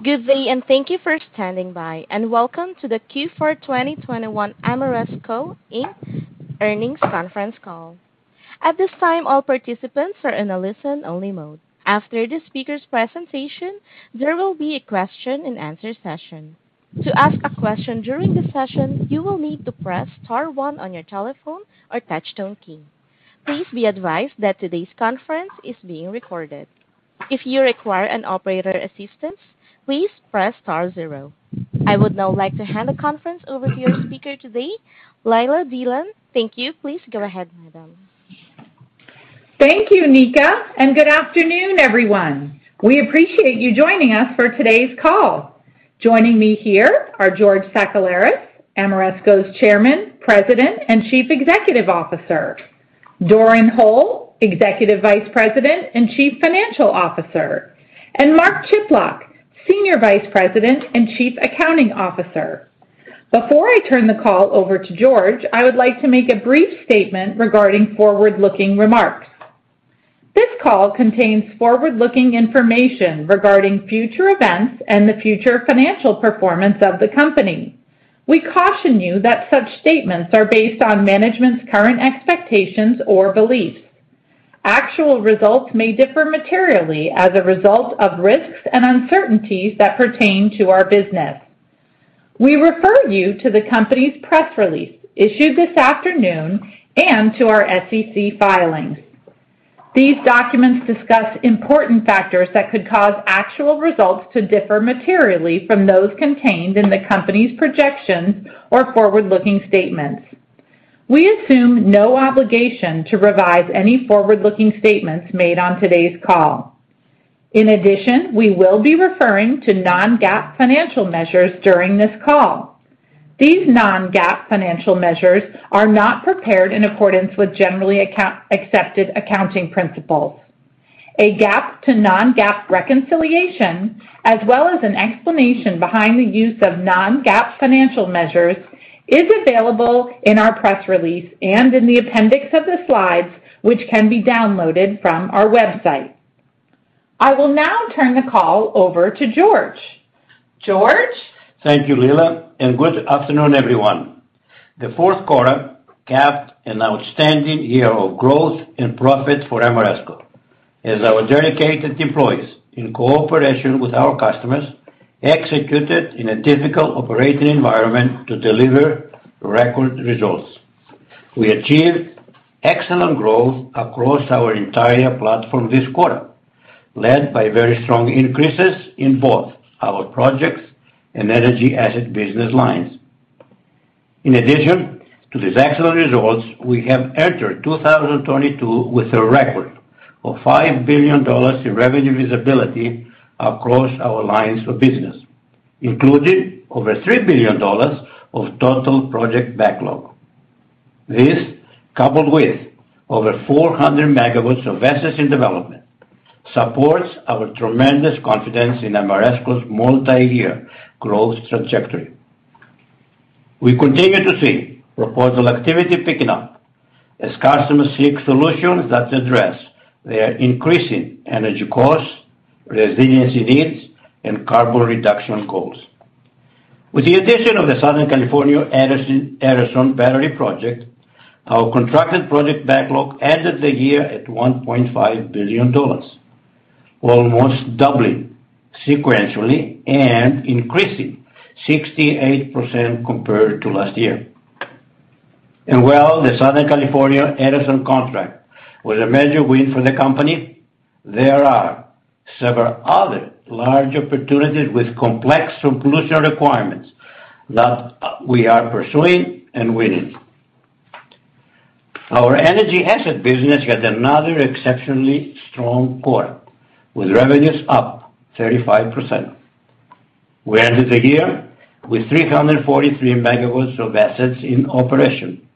Good day, thank you for standing by, and welcome to the Q4 2021 Ameresco, Inc. earnings conference call. At this time, all participants are in a listen-only mode. After the speaker's presentation, there will be a question-and-answer session. To ask a question during the session, you will need to press star one on your telephone or touch-tone key. Please be advised that today's conference is being recorded. If you require any operator assistance, please press star zero. I would now like to hand the conference over to your speaker today, Leila Dillon. Thank you. Please go ahead, madam. Thank you, Nikka, and good afternoon, everyone. We appreciate you joining us for today's call. Joining me here are George Sakellaris, Ameresco's Chairman, President, and Chief Executive Officer; Doran Hole, Executive Vice President and Chief Financial Officer; and Mark Chiplock, Senior Vice President and Chief Accounting Officer. Before I turn the call over to George, I would like to make a brief statement regarding forward-looking remarks. This call contains forward-looking information regarding future events and the future financial performance of the company. We caution you that such statements are based on management's current expectations or beliefs. Actual results may differ materially as a result of risks and uncertainties that pertain to our business. We refer you to the company's press release issued this afternoon and to our SEC filings. These documents discuss important factors that could cause actual results to differ materially from those contained in the company's projections or forward-looking statements. We assume no obligation to revise any forward-looking statements made on today's call. In addition, we will be referring to non-GAAP financial measures during this call. These non-GAAP financial measures are not prepared in accordance with generally accepted accounting principles. A GAAP to non-GAAP reconciliation, as well as an explanation behind the use of non-GAAP financial measures, is available in our press release and in the appendix of the slides, which can be downloaded from our website. I will now turn the call over to George. George? Thank you, Leila, and good afternoon, everyone. The fourth quarter capped an outstanding year of growth and profit for Ameresco as our dedicated employees, in cooperation with our customers, executed in a difficult operating environment to deliver record results. We achieved excellent growth across our entire platform this quarter, led by very strong increases in both our projects and energy asset business lines. In addition to these excellent results, we have entered 2022 with a record of $5 billion in revenue visibility across our lines of business, including over $3 billion of total project backlog. This, coupled with over 400 MW of assets in development, supports our tremendous confidence in Ameresco's multi-year growth trajectory. We continue to see proposal activity picking up as customers seek solutions that address their increasing energy costs, resiliency needs, and carbon reduction goals. With the addition of the Southern California Edison battery project, our contracted project backlog ended the year at $1.5 billion, almost doubling sequentially and increasing 68% compared to last year. While the Southern California Edison contract was a major win for the company, there are several other large opportunities with complex solution requirements that we are pursuing and winning. Our energy asset business had another exceptionally strong quarter, with revenues up 35%. We ended the year with 343 MW of assets in operation,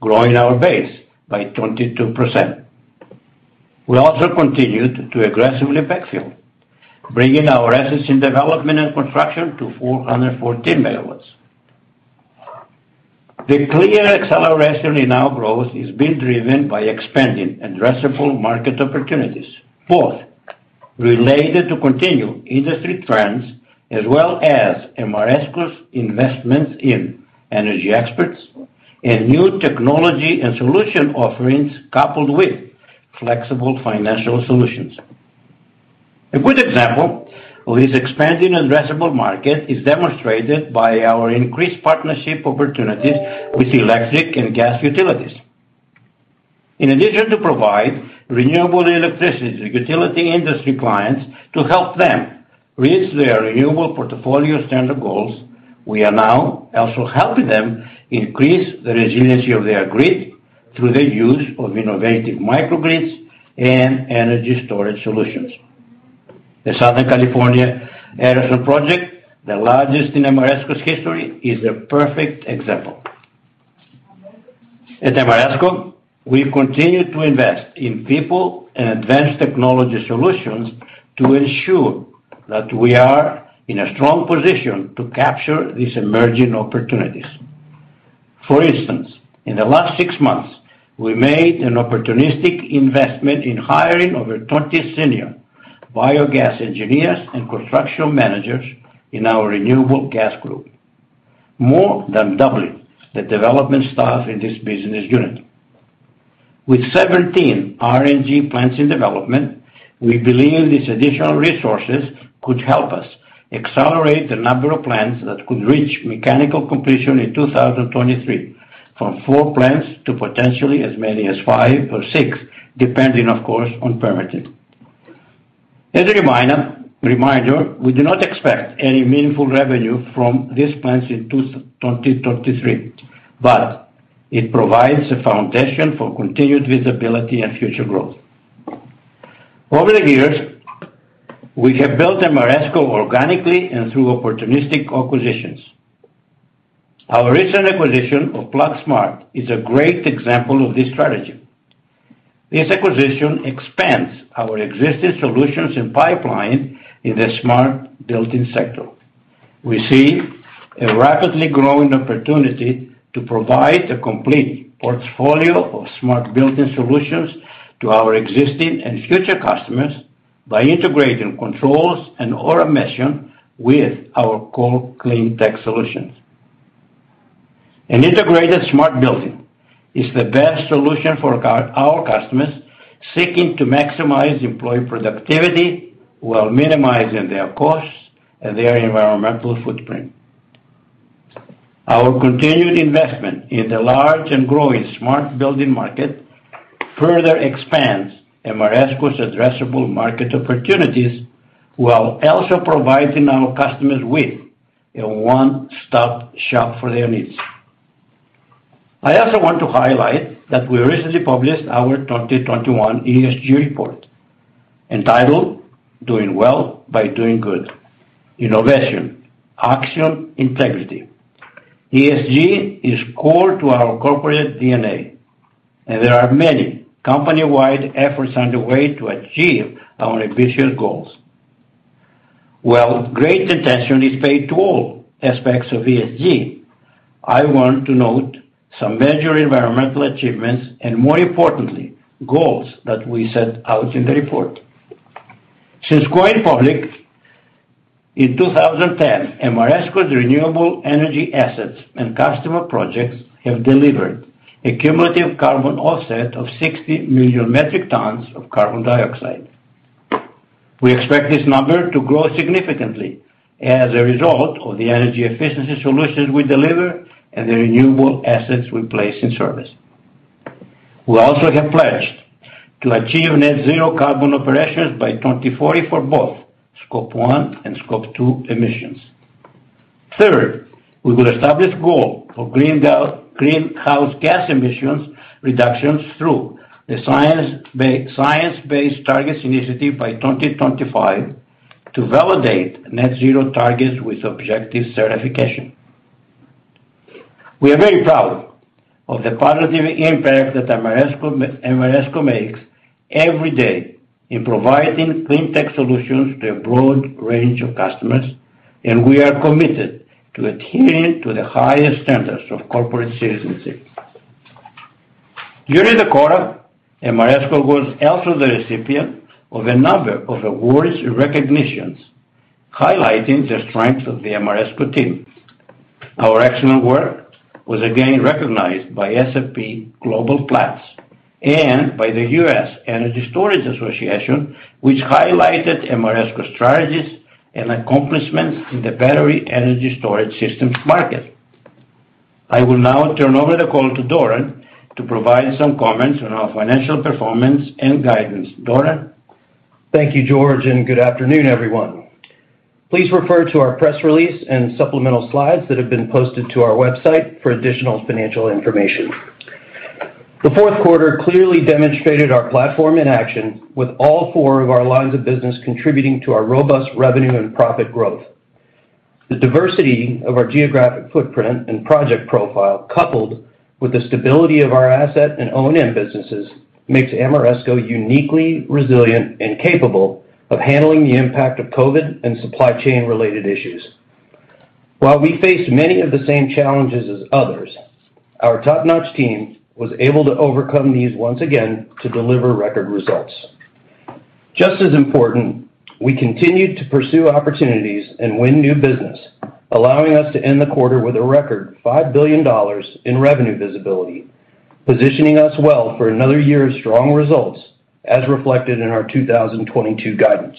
growing our base by 22%. We also continued to aggressively backfill, bringing our assets in development and construction to 414 MW. The clear acceleration in our growth is being driven by expanding addressable market opportunities, both related to continued industry trends as well as Ameresco's investments in energy experts and new technology and solution offerings, coupled with flexible financial solutions. A good example of this expanding addressable market is demonstrated by our increased partnership opportunities with electric and gas utilities. In addition to providing renewable electricity utility industry clients to help them reach their renewable portfolio standard goals, we are now also helping them increase the resiliency of their grid through the use of innovative microgrids and energy storage solutions. The Southern California Edison project, the largest in Ameresco's history, is a perfect example. At Ameresco, we continue to invest in people and advanced technology solutions to ensure that we are in a strong position to capture these emerging opportunities. For instance, in the last six months, we made an opportunistic investment in hiring over 20 senior biogas engineers and construction managers in our renewable gas group, more than doubling the development staff in this business unit. With 17 RNG plants in development, we believe these additional resources could help us accelerate the number of plants that could reach mechanical completion in 2023, from four plants to potentially as many as five or six, depending, of course, on permitting. As a reminder, we do not expect any meaningful revenue from these plants in 2023, but it provides a foundation for continued visibility and future growth. Over the years, we have built Ameresco organically and through opportunistic acquisitions. Our recent acquisition of Plug Smart is a great example of this strategy. This acquisition expands our existing solutions and pipeline in the smart building sector. We see a rapidly growing opportunity to provide a complete portfolio of smart building solutions to our existing and future customers by integrating controls and automation with our core clean tech solutions. An integrated smart building is the best solution for our customers seeking to maximize employee productivity while minimizing their costs and their environmental footprint. Our continued investment in the large and growing smart building market further expands Ameresco's addressable market opportunities, while also providing our customers with a one-stop shop for their needs. I also want to highlight that we recently published our 2021 ESG report, entitled Doing Well by Doing Good: Innovation, Action, Integrity. ESG is core to our corporate DNA, and there are many company-wide efforts underway to achieve our ambitious goals. While great attention is paid to all aspects of ESG, I want to note some major environmental achievements, and more importantly, goals that we set out in the report. Since going public in 2010, Ameresco's renewable energy assets and customer projects have delivered a cumulative carbon offset of 60 million metric tons of carbon dioxide. We expect this number to grow significantly as a result of the energy efficiency solutions we deliver and the renewable assets we place in service. We also have pledged to achieve net zero carbon operations by 2040 for both Scope 1 and Scope 2 emissions. Third, we will establish goal for greenhouse gas emissions reductions through the Science Based Targets Initiative by 2025 to validate net zero targets with objective certification. We are very proud of the positive impact that Ameresco makes every day in providing clean tech solutions to a broad range of customers, and we are committed to adhering to the highest standards of corporate citizenship. During the quarter, Ameresco was also the recipient of a number of awards and recognitions highlighting the strength of the Ameresco team. Our excellent work was again recognized by S&P Global Platts and by the U.S. Energy Storage Association, which highlighted Ameresco strategies and accomplishments in the battery energy storage systems market. I will now turn over the call to Doran to provide some comments on our financial performance and guidance. Doran? Thank you, George, and good afternoon, everyone. Please refer to our press release and supplemental slides that have been posted to our website for additional financial information. The fourth quarter clearly demonstrated our platform in action with all four of our lines of business contributing to our robust revenue and profit growth. The diversity of our geographic footprint and project profile, coupled with the stability of our asset and O&M businesses, makes Ameresco uniquely resilient and capable of handling the impact of COVID and supply chain related issues. While we face many of the same challenges as others, our top-notch team was able to overcome these once again to deliver record results. Just as important, we continued to pursue opportunities and win new business, allowing us to end the quarter with a record $5 billion in revenue visibility, positioning us well for another year of strong results as reflected in our 2022 guidance.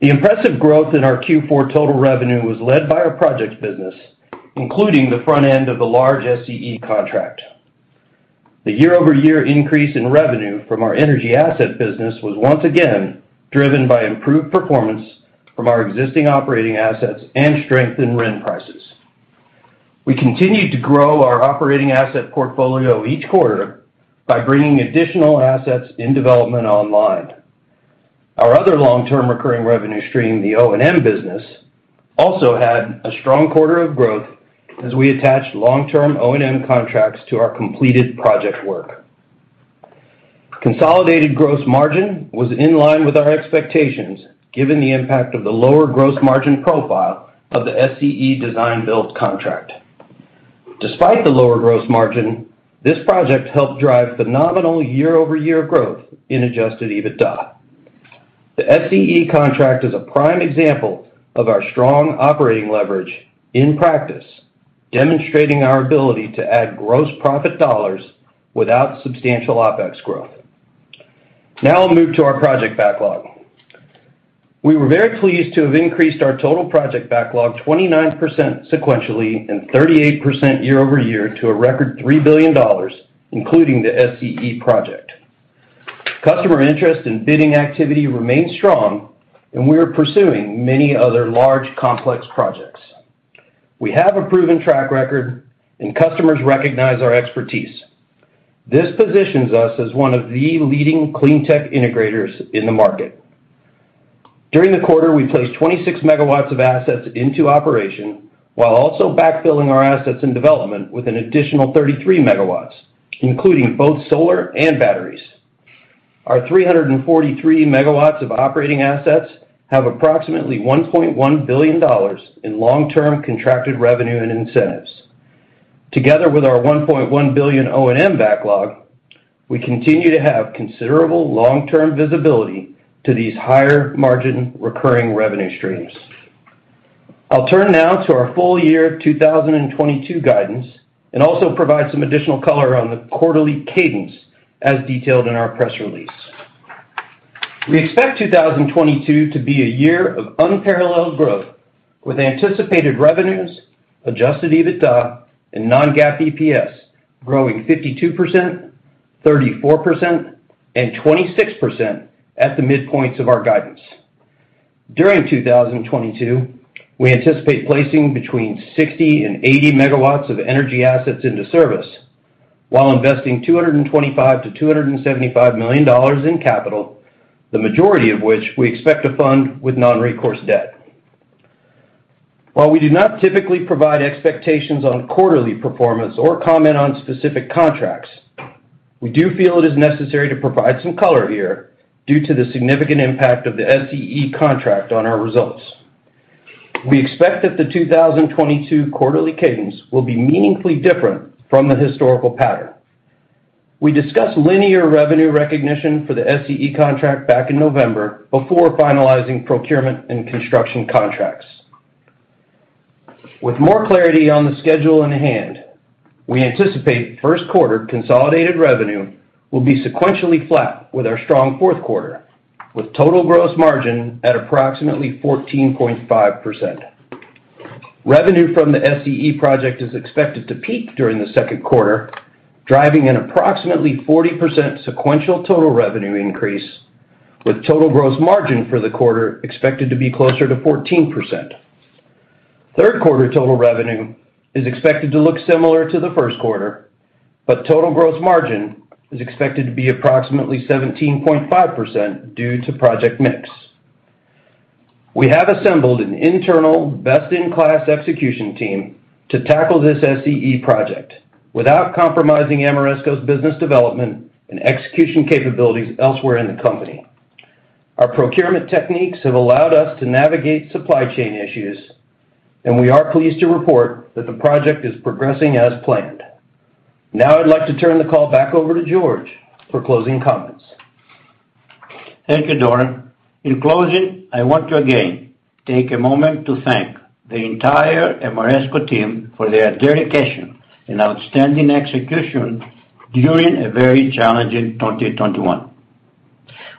The impressive growth in our Q4 total revenue was led by our project business, including the front end of the large SCE contract. The year-over-year increase in revenue from our energy asset business was once again driven by improved performance from our existing operating assets and strength in rent prices. We continued to grow our operating asset portfolio each quarter by bringing additional assets in development online. Our other long-term recurring revenue stream, the O&M business, also had a strong quarter of growth as we attached long-term O&M contracts to our completed project work. Consolidated gross margin was in line with our expectations given the impact of the lower gross margin profile of the SCE design build contract. Despite the lower gross margin, this project helped drive phenomenal year-over-year growth in adjusted EBITDA. The SCE contract is a prime example of our strong operating leverage in practice, demonstrating our ability to add gross profit dollars without substantial OpEx growth. Now, I'll move to our project backlog. We were very pleased to have increased our total project backlog 29% sequentially and 38% year-over-year to a record $3 billion, including the SCE project. Customer interest and bidding activity remains strong, and we are pursuing many other large complex projects. We have a proven track record and customers recognize our expertise. This positions us as one of the leading clean tech integrators in the market. During the quarter, we placed 26 MW of assets into operation while also backfilling our assets in development with an additional 33 MW, including both solar and batteries. Our 343 MW of operating assets have approximately $1.1 billion in long-term contracted revenue and incentives. Together with our $1.1 billion O&M backlog, we continue to have considerable long-term visibility to these higher margin recurring revenue streams. I'll turn now to our full year 2022 guidance and also provide some additional color around the quarterly cadence as detailed in our press release. We expect 2022 to be a year of unparalleled growth with anticipated revenues, adjusted EBITDA, and non-GAAP EPS growing 52%, 34%, and 26% at the midpoints of our guidance. During 2022, we anticipate placing between 60 MW-80 MW of energy assets into service while investing $225 million-$275 million in capital, the majority of which we expect to fund with non-recourse debt. While we do not typically provide expectations on quarterly performance or comment on specific contracts, we do feel it is necessary to provide some color here due to the significant impact of the SCE contract on our results. We expect that the 2022 quarterly cadence will be meaningfully different from the historical pattern. We discussed linear revenue recognition for the SCE contract back in November before finalizing procurement and construction contracts. With more clarity on the schedule in hand, we anticipate first quarter consolidated revenue will be sequentially flat with our strong fourth quarter, with total gross margin at approximately 14.5%. Revenue from the SCE project is expected to peak during the second quarter, driving an approximately 40% sequential total revenue increase, with total gross margin for the quarter expected to be closer to 14%. Third quarter total revenue is expected to look similar to the first quarter, but total gross margin is expected to be approximately 17.5% due to project mix. We have assembled an internal best-in-class execution team to tackle this SCE project without compromising Ameresco's business development and execution capabilities elsewhere in the company. Our procurement techniques have allowed us to navigate supply chain issues, and we are pleased to report that the project is progressing as planned. Now, I'd like to turn the call back over to George for closing comments. Thank you, Doran. In closing, I want to, again, take a moment to thank the entire Ameresco team for their dedication and outstanding execution during a very challenging 2021.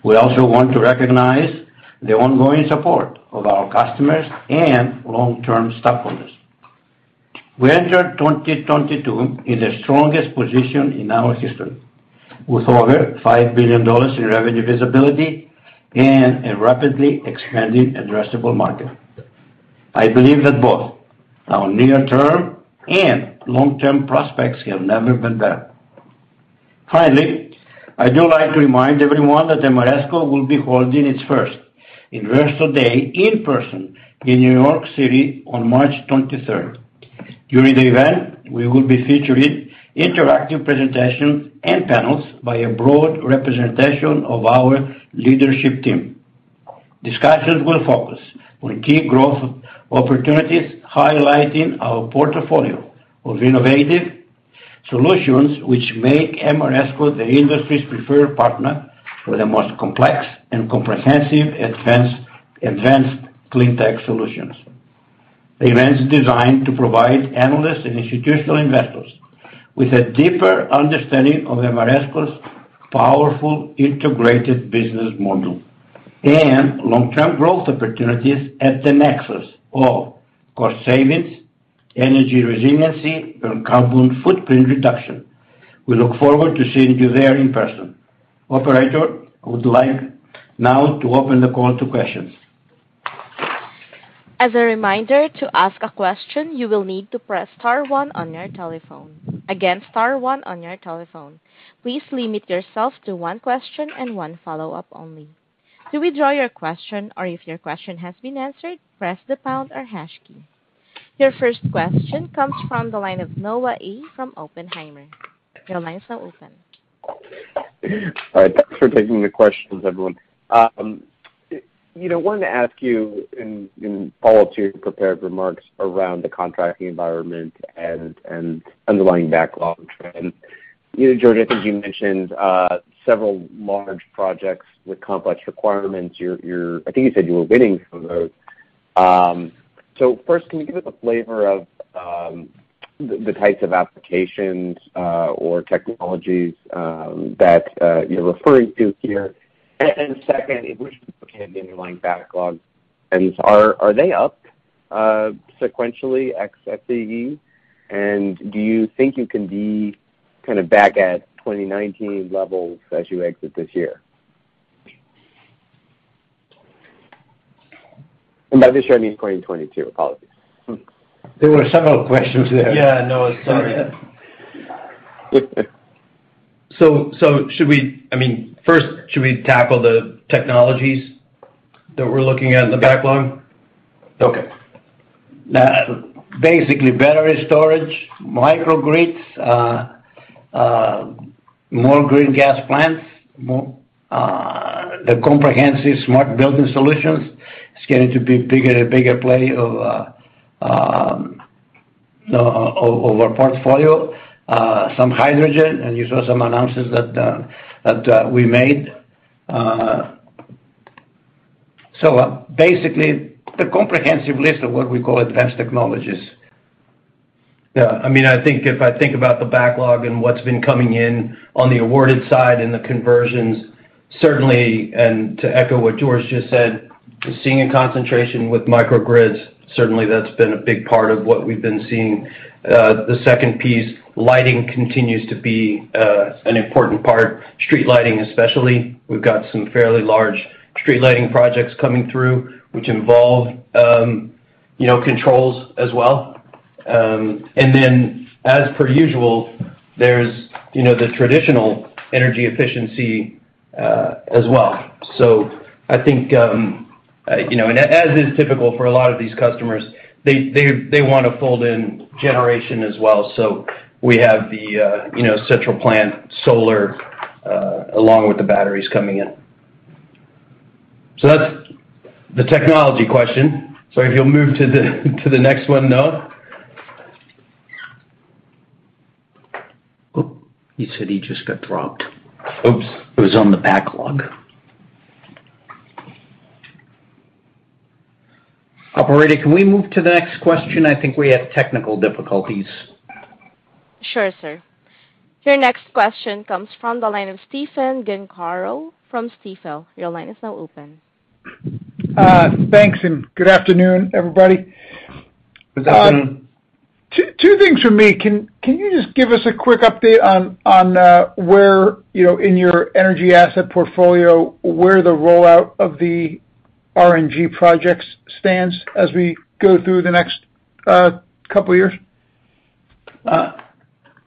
We also want to recognize the ongoing support of our customers and long-term stockholders. We entered 2022 in the strongest position in our history, with over $5 billion in revenue visibility and a rapidly expanding addressable market. I believe that both our near-term and long-term prospects have never been better. Finally, I'd like to remind everyone that Ameresco will be holding its first Investor Day in person in New York City on March 23rd. During the event, we will be featuring interactive presentations and panels by a broad representation of our leadership team. Discussions will focus on key growth opportunities, highlighting our portfolio of innovative solutions, which make Ameresco the industry's preferred partner for the most complex and comprehensive advanced clean tech solutions. The event is designed to provide analysts and institutional investors with a deeper understanding of Ameresco's powerful integrated business model and long-term growth opportunities at the nexus of cost savings, energy resiliency, and carbon footprint reduction. We look forward to seeing you there in person. Operator, I would like now to open the call to questions. As a reminder, to ask a question, you will need to press star one on your telephone. Again, star one on your telephone. Please limit yourself to one question and one follow-up only. To withdraw your question or if your question has been answered, press the pound or hash key. Your first question comes from the line of Noah Kaye from Oppenheimer. Your line is now open. All right. Thanks for taking the questions, everyone. You know, wanted to ask you in follow-up to your prepared remarks around the contracting environment and underlying backlog trends. You know, George, I think you mentioned several large projects with complex requirements. I think you said you were winning some of those. So, first, can you give us a flavor of the types of applications or technologies that you're referring to here? And second, which underlying backlogs are they up sequentially ex-SCE? And, do you think you can be kinda back at 2019 levels as you exit this year? By this year, I mean 2022. Apologies. There were several questions there. Yeah, I know. Sorry. I mean, first, should we tackle the technologies that we're looking at in the backlog? Okay. Now, basically battery storage, microgrids, more green gas plants, the comprehensive smart building solutions is getting to be bigger and bigger play of our portfolio, some hydrogen. And, you saw some announcements that we made. Basically, the comprehensive list of what we call advanced technologies. Yeah. I mean, I think, if I think about the backlog and what's been coming in on the awarded side and the conversions, certainly, and to echo what George just said, seeing a concentration with microgrids, certainly that's been a big part of what we've been seeing. The second piece, lighting continues to be an important part, street lighting especially. We've got some fairly large street lighting projects coming through, which involve, you know, controls as well. Then, as per usual, there's, you know, the traditional energy efficiency, as well. I think, you know, as is typical for a lot of these customers, they wanna fold in generation as well. We have the, you know, central plant solar, along with the batteries coming in. That's the technology question. If you'll move to the next one, Noah. Oh, he said he just got dropped. Oops. It was on the backlog. Operator, can we move to the next question? I think we have technical difficulties. Sure, sir. Your next question comes from the line of Stephen Gengaro from Stifel. Your line is now open. Thanks and good afternoon, everybody. Good afternoon. Two things from me. Can you just give us a quick update on where, you know, in your energy asset portfolio, where the rollout of the RNG projects stands as we go through the next couple years?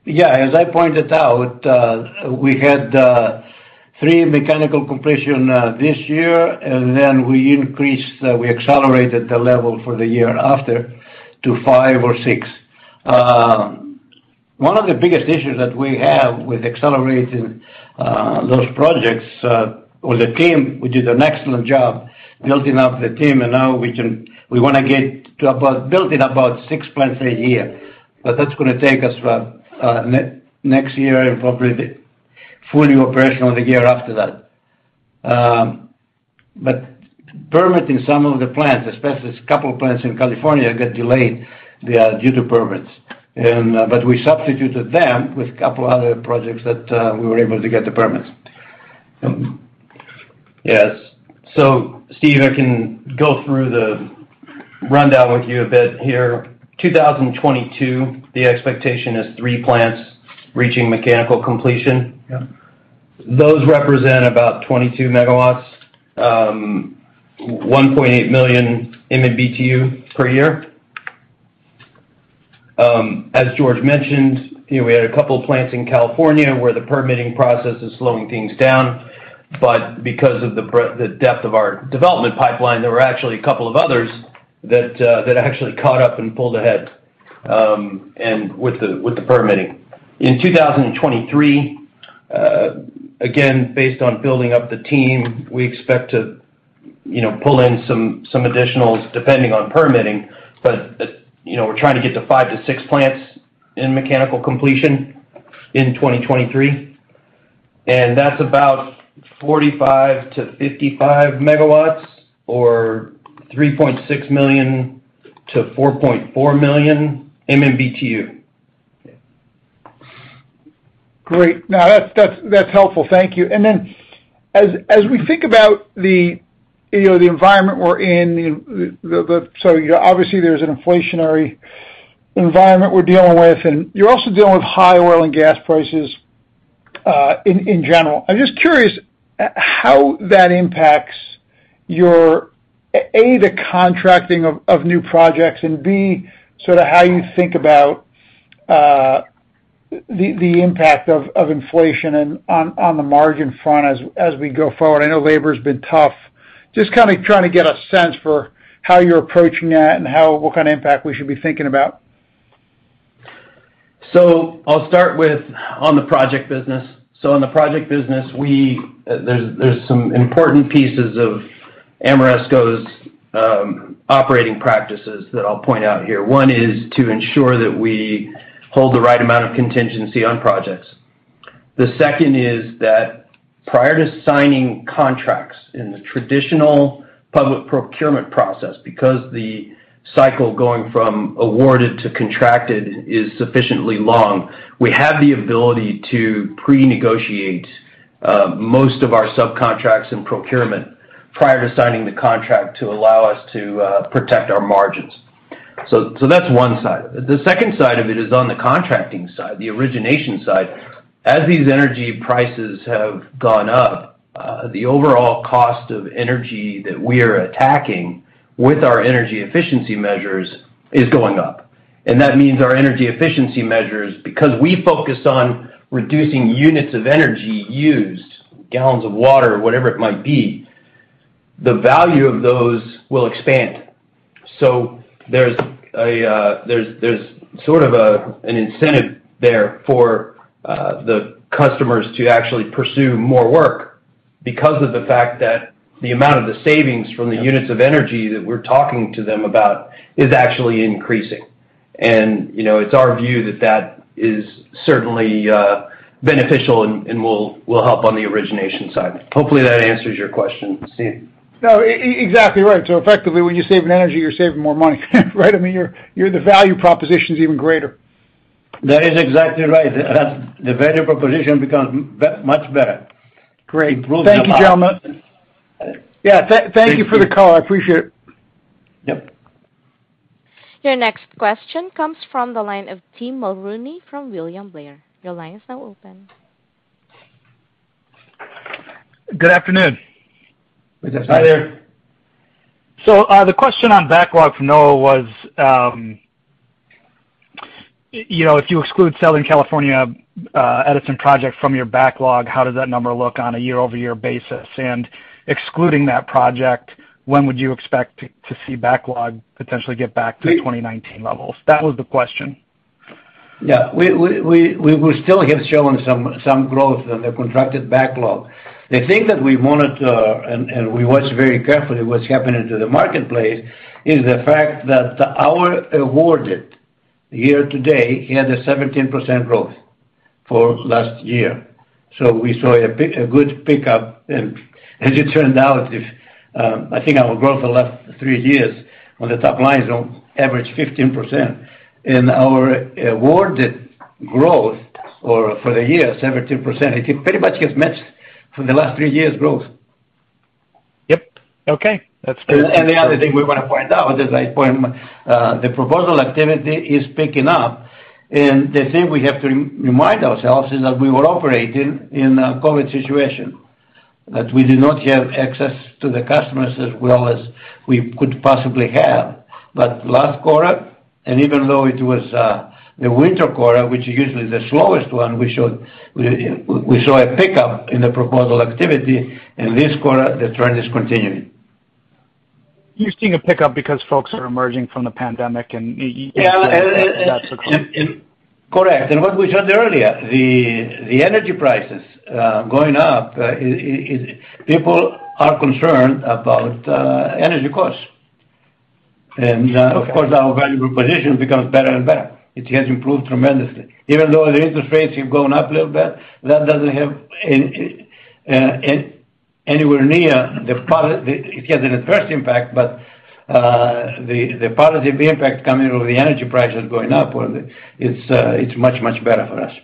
Yeah, as I pointed out, we had three mechanical completion this year, and then we increased, we accelerated the level for the year after to five or six. One of the biggest issues that we have with accelerating those projects was the team, we did an excellent job building up the team, and now we wanna get to building about six plants a year. That's gonna take us about next year, and probably fully operational the year after that. Permitting some of the plants, especially a couple plants in California, got delayed due to permits. We substituted them with a couple other projects that we were able to get the permits. Yes. Steve, I can go through the rundown with you a bit here. 2022, the expectation is three plants reaching mechanical completion. Those represent about 22 MW, 1.8 million MMBtu per year. As George mentioned, you know, we had a couple plants in California where the permitting process is slowing things down, but because of the depth of our development pipeline, there were actually a couple of others that actually caught up and pulled ahead with the permitting. In 2023, again, based on building up the team, we expect to, you know, pull in some additionals, depending on permitting. You know, we're trying to get to five to six plants in mechanical completion in 2023, and that's about 45 MW-55 MW or 3.6 million MMBtu-4.4 million MMBtu. Great. No, that's helpful. Thank you. Then, as we think about the, you know, the environment we're in. You know, obviously there's an inflationary environment we're dealing with, and you're also dealing with high oil and gas prices in general. I'm just curious how that impacts your A, the contracting of new projects, and B, sort of how you think about the impact of inflation and on the margin front as we go forward. I know labor's been tough. Just kinda trying to get a sense for how you're approaching that, and what kind of impact we should be thinking about. I'll start with the project business. On the project business, there's some important pieces of Ameresco's operating practices that I'll point out here. One is to ensure that we hold the right amount of contingency on projects. The second is that prior to signing contracts in the traditional public procurement process, because the cycle going from awarded to contracted is sufficiently long, we have the ability to pre-negotiate most of our subcontracts and procurement prior to signing the contract to allow us to protect our margins. That's one side. The second side of it is on the contracting side, the origination side. As these energy prices have gone up, the overall cost of energy that we are attacking with our energy efficiency measures is going up. That means our energy efficiency measures--because we focus on reducing units of energy used, gallons of water, whatever it might be--the value of those will expand. There's sort of an incentive there for the customers to actually pursue more work because of the fact that the amount of the savings from the units of energy that we're talking to them about is actually increasing. You know, it's our view that that is certainly beneficial and will help on the origination side. Hopefully, that answers your question, Steve. No, exactly right. Effectively, when you're saving energy, you're saving more money, right? I mean, the value proposition is even greater. That is exactly right. The value proposition becomes much better. Great. Improves a lot. Thank you, gentlemen. Yeah. Thank you for the call. I appreciate it. Yep. Your next question comes from the line of Tim Mulrooney from William Blair. Your line is now open. Good afternoon. Good afternoon. Hi there. The question on backlog from Noah was, you know, if you exclude Southern California Edison project from your backlog, how does that number look on a year-over-year basis? Excluding that project, when would you expect to see backlog potentially get back to 2019 levels? That was the question. We still have shown some growth in the contracted backlog. The thing that we monitor and we watch very carefully what's happening to the marketplace is the fact that our awarded year to date had a 17% growth for last year. We saw a good pickup. As it turned out, I think our growth the last three years on the top line is on average 15%. Our awarded growth over the year, 17%, pretty much has matched for the last three years' growth. Yep. Okay. That's fair. The other thing we wanna point out, as I point, the proposal activity is picking up. The thing we have to remind ourselves is that we were operating in a COVID situation, that we did not have access to the customers as well as we could possibly have. Last quarter, even though it was the winter quarter, which is usually the slowest one, we saw a pickup in the proposal activity. This quarter, the trend is continuing. You're seeing a pickup because folks are emerging from the pandemic and you- Correct. What we said earlier, the energy prices going up, is people are concerned about energy costs. Of course, our value proposition becomes better and better. It has improved tremendously. Even though the interest rates have gone up a little bit, that doesn't have anywhere near the positive impact coming with the energy prices going up. It has an adverse impact, but it's much better for us.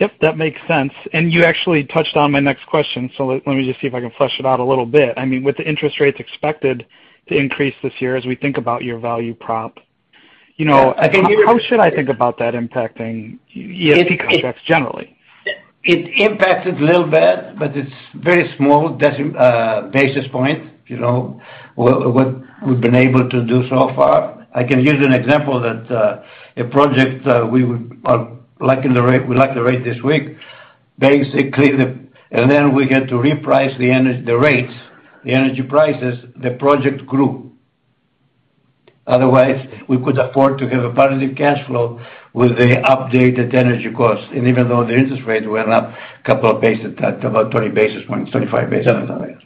Yep, that makes sense. You actually touched on my next question, so let me just see if I can flesh it out a little bit. I mean, with the interest rates expected to increase this year, as we think about your value prop, you know, how should I think about that impacting ESG contracts generally? It impacts it a little bit, but it's very small basis point. You know, what we've been able to do so far--I can use an example that a project we locked the rate this week, basically. Then, we had to reprice the rates, the energy prices, the project grew. Otherwise, we could afford to have a positive cash flow with the updated energy costs. Even though the interest rates went up a couple of basis, at about 20 basis points, 25 basis.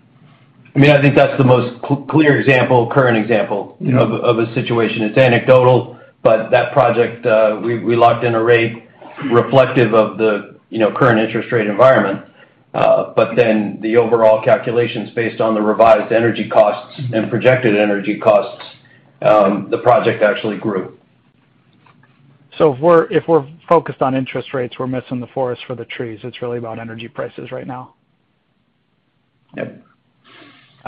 I mean, I think that's the most clear, current example, you know, of a situation. It's anecdotal, but that project, we locked in a rate reflective of the, you know, current interest rate environment. But then, the overall calculations based on the revised energy costs and projected energy costs, the project actually grew. If we're focused on interest rates, we're missing the forest for the trees. It's really about energy prices right now. Yep.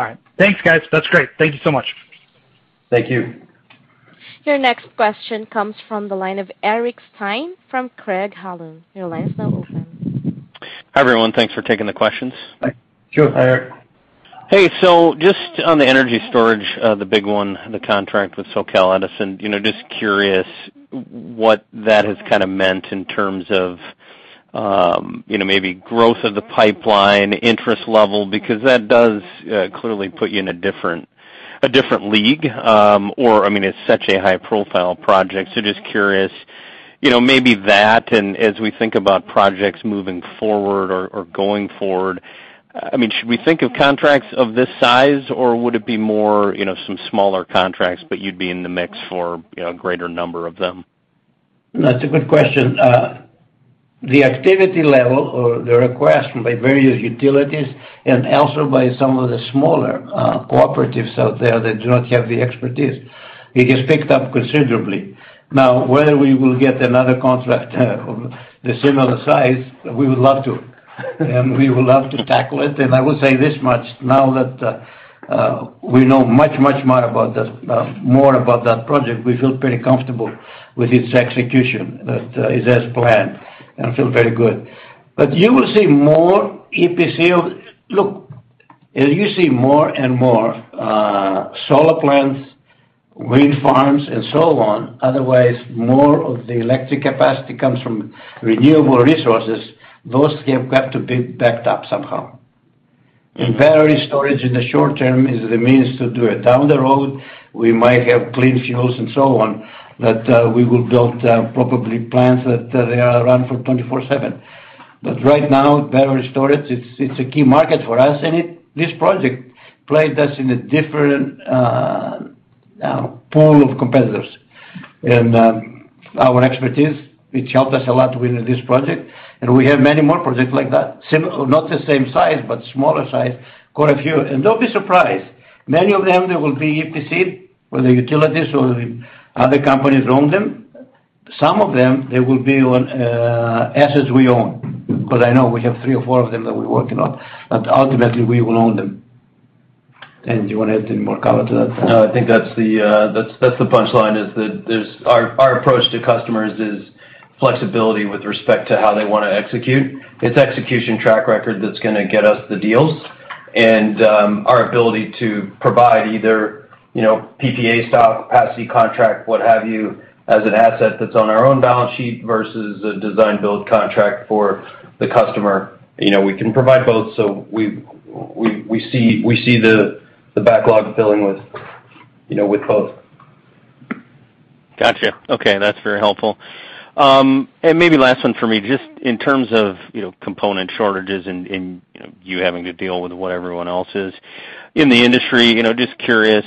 All right. Thanks, guys. That's great. Thank you so much. Thank you. Your next question comes from the line of Eric Stine from Craig-Hallum. Your line is now open. Hi, everyone. Thanks for taking the questions. Hi. Sure, Eric. Hey, just on the energy storage, the big one, the contract with SoCal Edison. You know, just curious what that has kind of meant in terms of, you know, maybe growth of the pipeline, interest level, because that does clearly put you in a different league. Or, I mean, it's such a high profile project, just curious. You know, maybe that, and as we think about projects moving forward or going forward, I mean, should we think of contracts of this size or would it be more, you know, some smaller contracts, but you'd be in the mix for, you know, a greater number of them? That's a good question. The activity level or the request by various utilities and also by some of the smaller cooperatives out there that do not have the expertise, it has picked up considerably. Now, whether we will get another contract of the similar size, we would love to. We would love to tackle it. I will say this much now, that we know much more about this, more about that project. We feel pretty comfortable with its execution, that is as planned and feel very good. You will see more EPC. Look, as you see more and more solar plants, wind farms and so on, otherwise more of the electric capacity comes from renewable resources. Those have got to be backed up somehow. Battery storage in the short term is the means to do it. Down the road, we might have clean fuels and so on that we will build, probably plants that they run for 24/7. But, right now, battery storage, it's a key market for us. This project placed us in a different pool of competitors. Our expertise, it's helped us a lot to win this project. We have many more projects like that. Not the same size, but smaller size, quite a few. Don't be surprised. Many of them will be EPC, whether utilities or other companies own them. Some of them will be on assets we own. Because I know we have three or four of them that we're working on, but ultimately we will own them. Do you wanna add any more color to that, Doran? No, I think that's the punchline, is that there's--our approach to customers is flexibility with respect to how they wanna execute. It's execution track record that's gonna get us the deals and our ability to provide either, you know, PPA stock, capacity contract, what have you, as an asset that's on our own balance sheet versus a design build contract for the customer. You know, we can provide both. We see the backlog filling with, you know, with both. Gotcha. Okay. That's very helpful. Maybe last one for me. Just in terms of, you know, component shortages and, you know, you having to deal with what everyone else is in the industry, you know, just curious,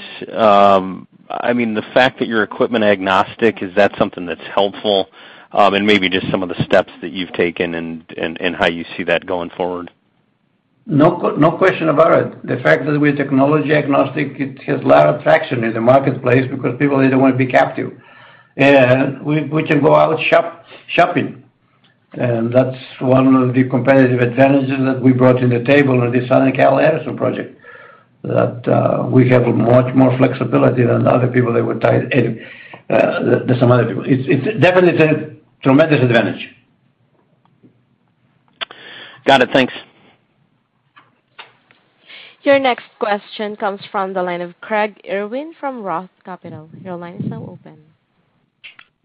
I mean, the fact that you're equipment agnostic, is that something that's helpful? Maybe, just some of the steps that you've taken, and how you see that going forward. No question about it. The fact that we're technology agnostic, it has a lot of traction in the marketplace because people either wanna be captive. We can go out shopping, and that's one of the competitive advantages that we brought to the table on this Southern Cal Edison project, that we have much more flexibility than other people that we're tied, in than some other people. It's definitely a tremendous advantage. Got it. Thanks. Your next question comes from the line of Craig Irwin from Roth Capital. Your line is now open.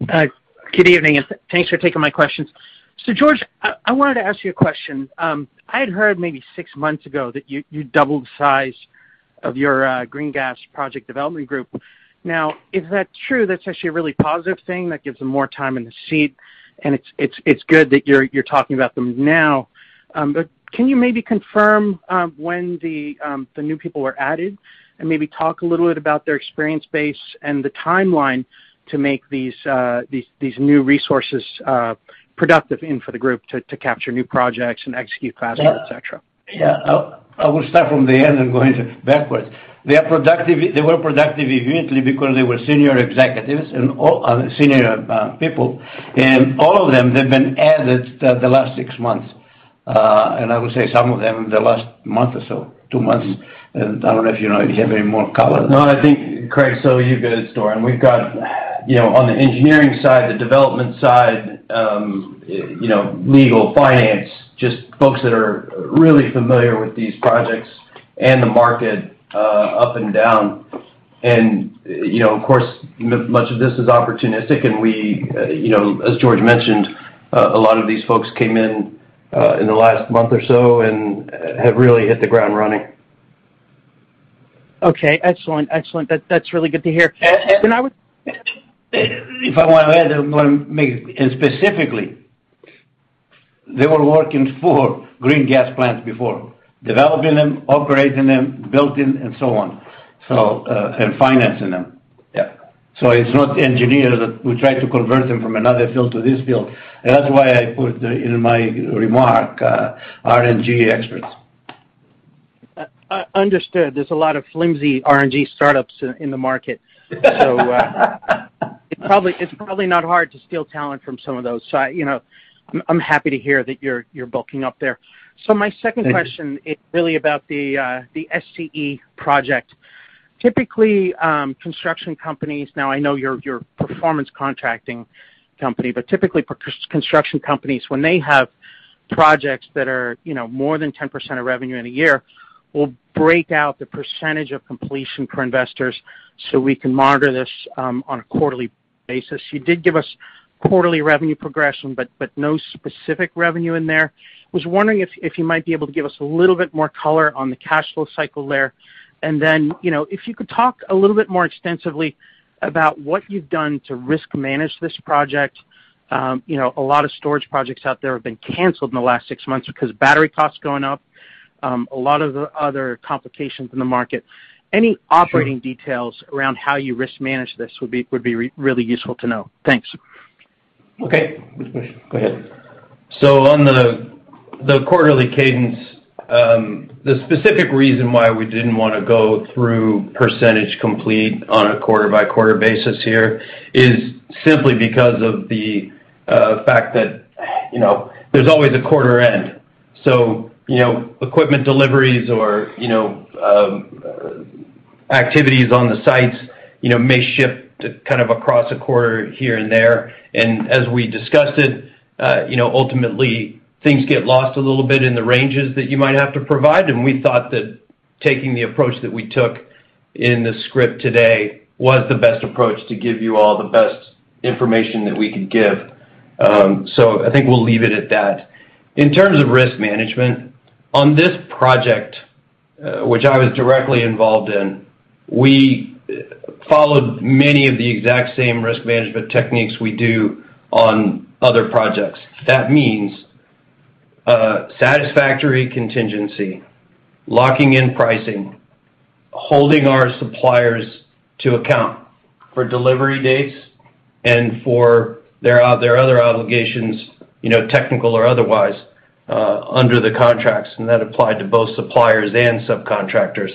Hi. Good evening, and thanks for taking my questions. George, I wanted to ask you a question. I had heard, maybe six months ago, that you doubled the size of your green gas project development group. Now, if that's true, that's actually a really positive thing that gives them more time in the seat, and it's good that you're talking about them now. Bu,t can you maybe confirm when the new people were added? And, maybe, talk a little bit about their experience base, and the timeline to make these new resources productive, and for the group to capture new projects and execute faster, et cetera. Yeah. I will start from the end and going backwards. They were productive immediately because they were senior executives and all senior people. All of them, they've been added the last six months. I would say some of them in the last month or so, two months. I don't know if, you know, if you have any more color. No, I think, Craig, so you're good. We've got, you know, on the engineering side, the development side, you know, legal, finance, just folks that are really familiar with these projects and the market, up and down. You know, of course, much of this is opportunistic, and we, you know, as George mentioned, a lot of these folks came in the last month or so and have really hit the ground running. Okay. Excellent. Excellent. That's really good to hear. I would- Specifically, they were working for green gas plants before, developing them, operating them, building and so on, and financing them. Yeah. It's not engineers that we try to convert them from another field to this field. That's why I put in my remark, RNG experts. Understood. There's a lot of flimsy RNG startups in the market. It's probably not hard to steal talent from some of those. You know, I'm happy to hear that you're bulking up there. My second question- Thank you.... this is really about the SCE project. Typically, construction companies, now I know you're a performance contracting company, but typically peer construction companies, when they have projects that are, you know, more than 10% of revenue in a year, will break out the percentage of completion for investors, so we can monitor this on a quarterly basis. You did give us quarterly revenue progression, but no specific revenue in there. Was wondering if you might be able to give us a little bit more color on the cash flow cycle there. You know, if you could talk a little bit more extensively about what you've done to risk manage this project. You know, a lot of storage projects out there have been canceled in the last six months because battery costs going up, a lot of the other complications in the market. Sure. Any operating details around how you risk manage this would be really useful to know. Thanks. Okay. Go ahead. On the quarterly cadence, the specific reason why we didn't wanna go through percentage complete on a quarter-by-quarter basis here is simply because of the fact that, you know, there's always a quarter end. You know, equipment deliveries or, you know, activities on the sites, you know, may shift to kind of across a quarter here and there. As we discussed it, you know, ultimately things get lost a little bit in the ranges that you might have to provide, and we thought that taking the approach that we took in the script today was the best approach to give you all the best information that we could give. I think we'll leave it at that. In terms of risk management, on this project, which I was directly involved in, we followed many of the exact same risk management techniques we do on other projects. That means satisfactory contingency, locking in pricing, holding our suppliers to account for delivery dates and for their other obligations, you know, technical or otherwise, under the contracts, and that applied to both suppliers and subcontractors.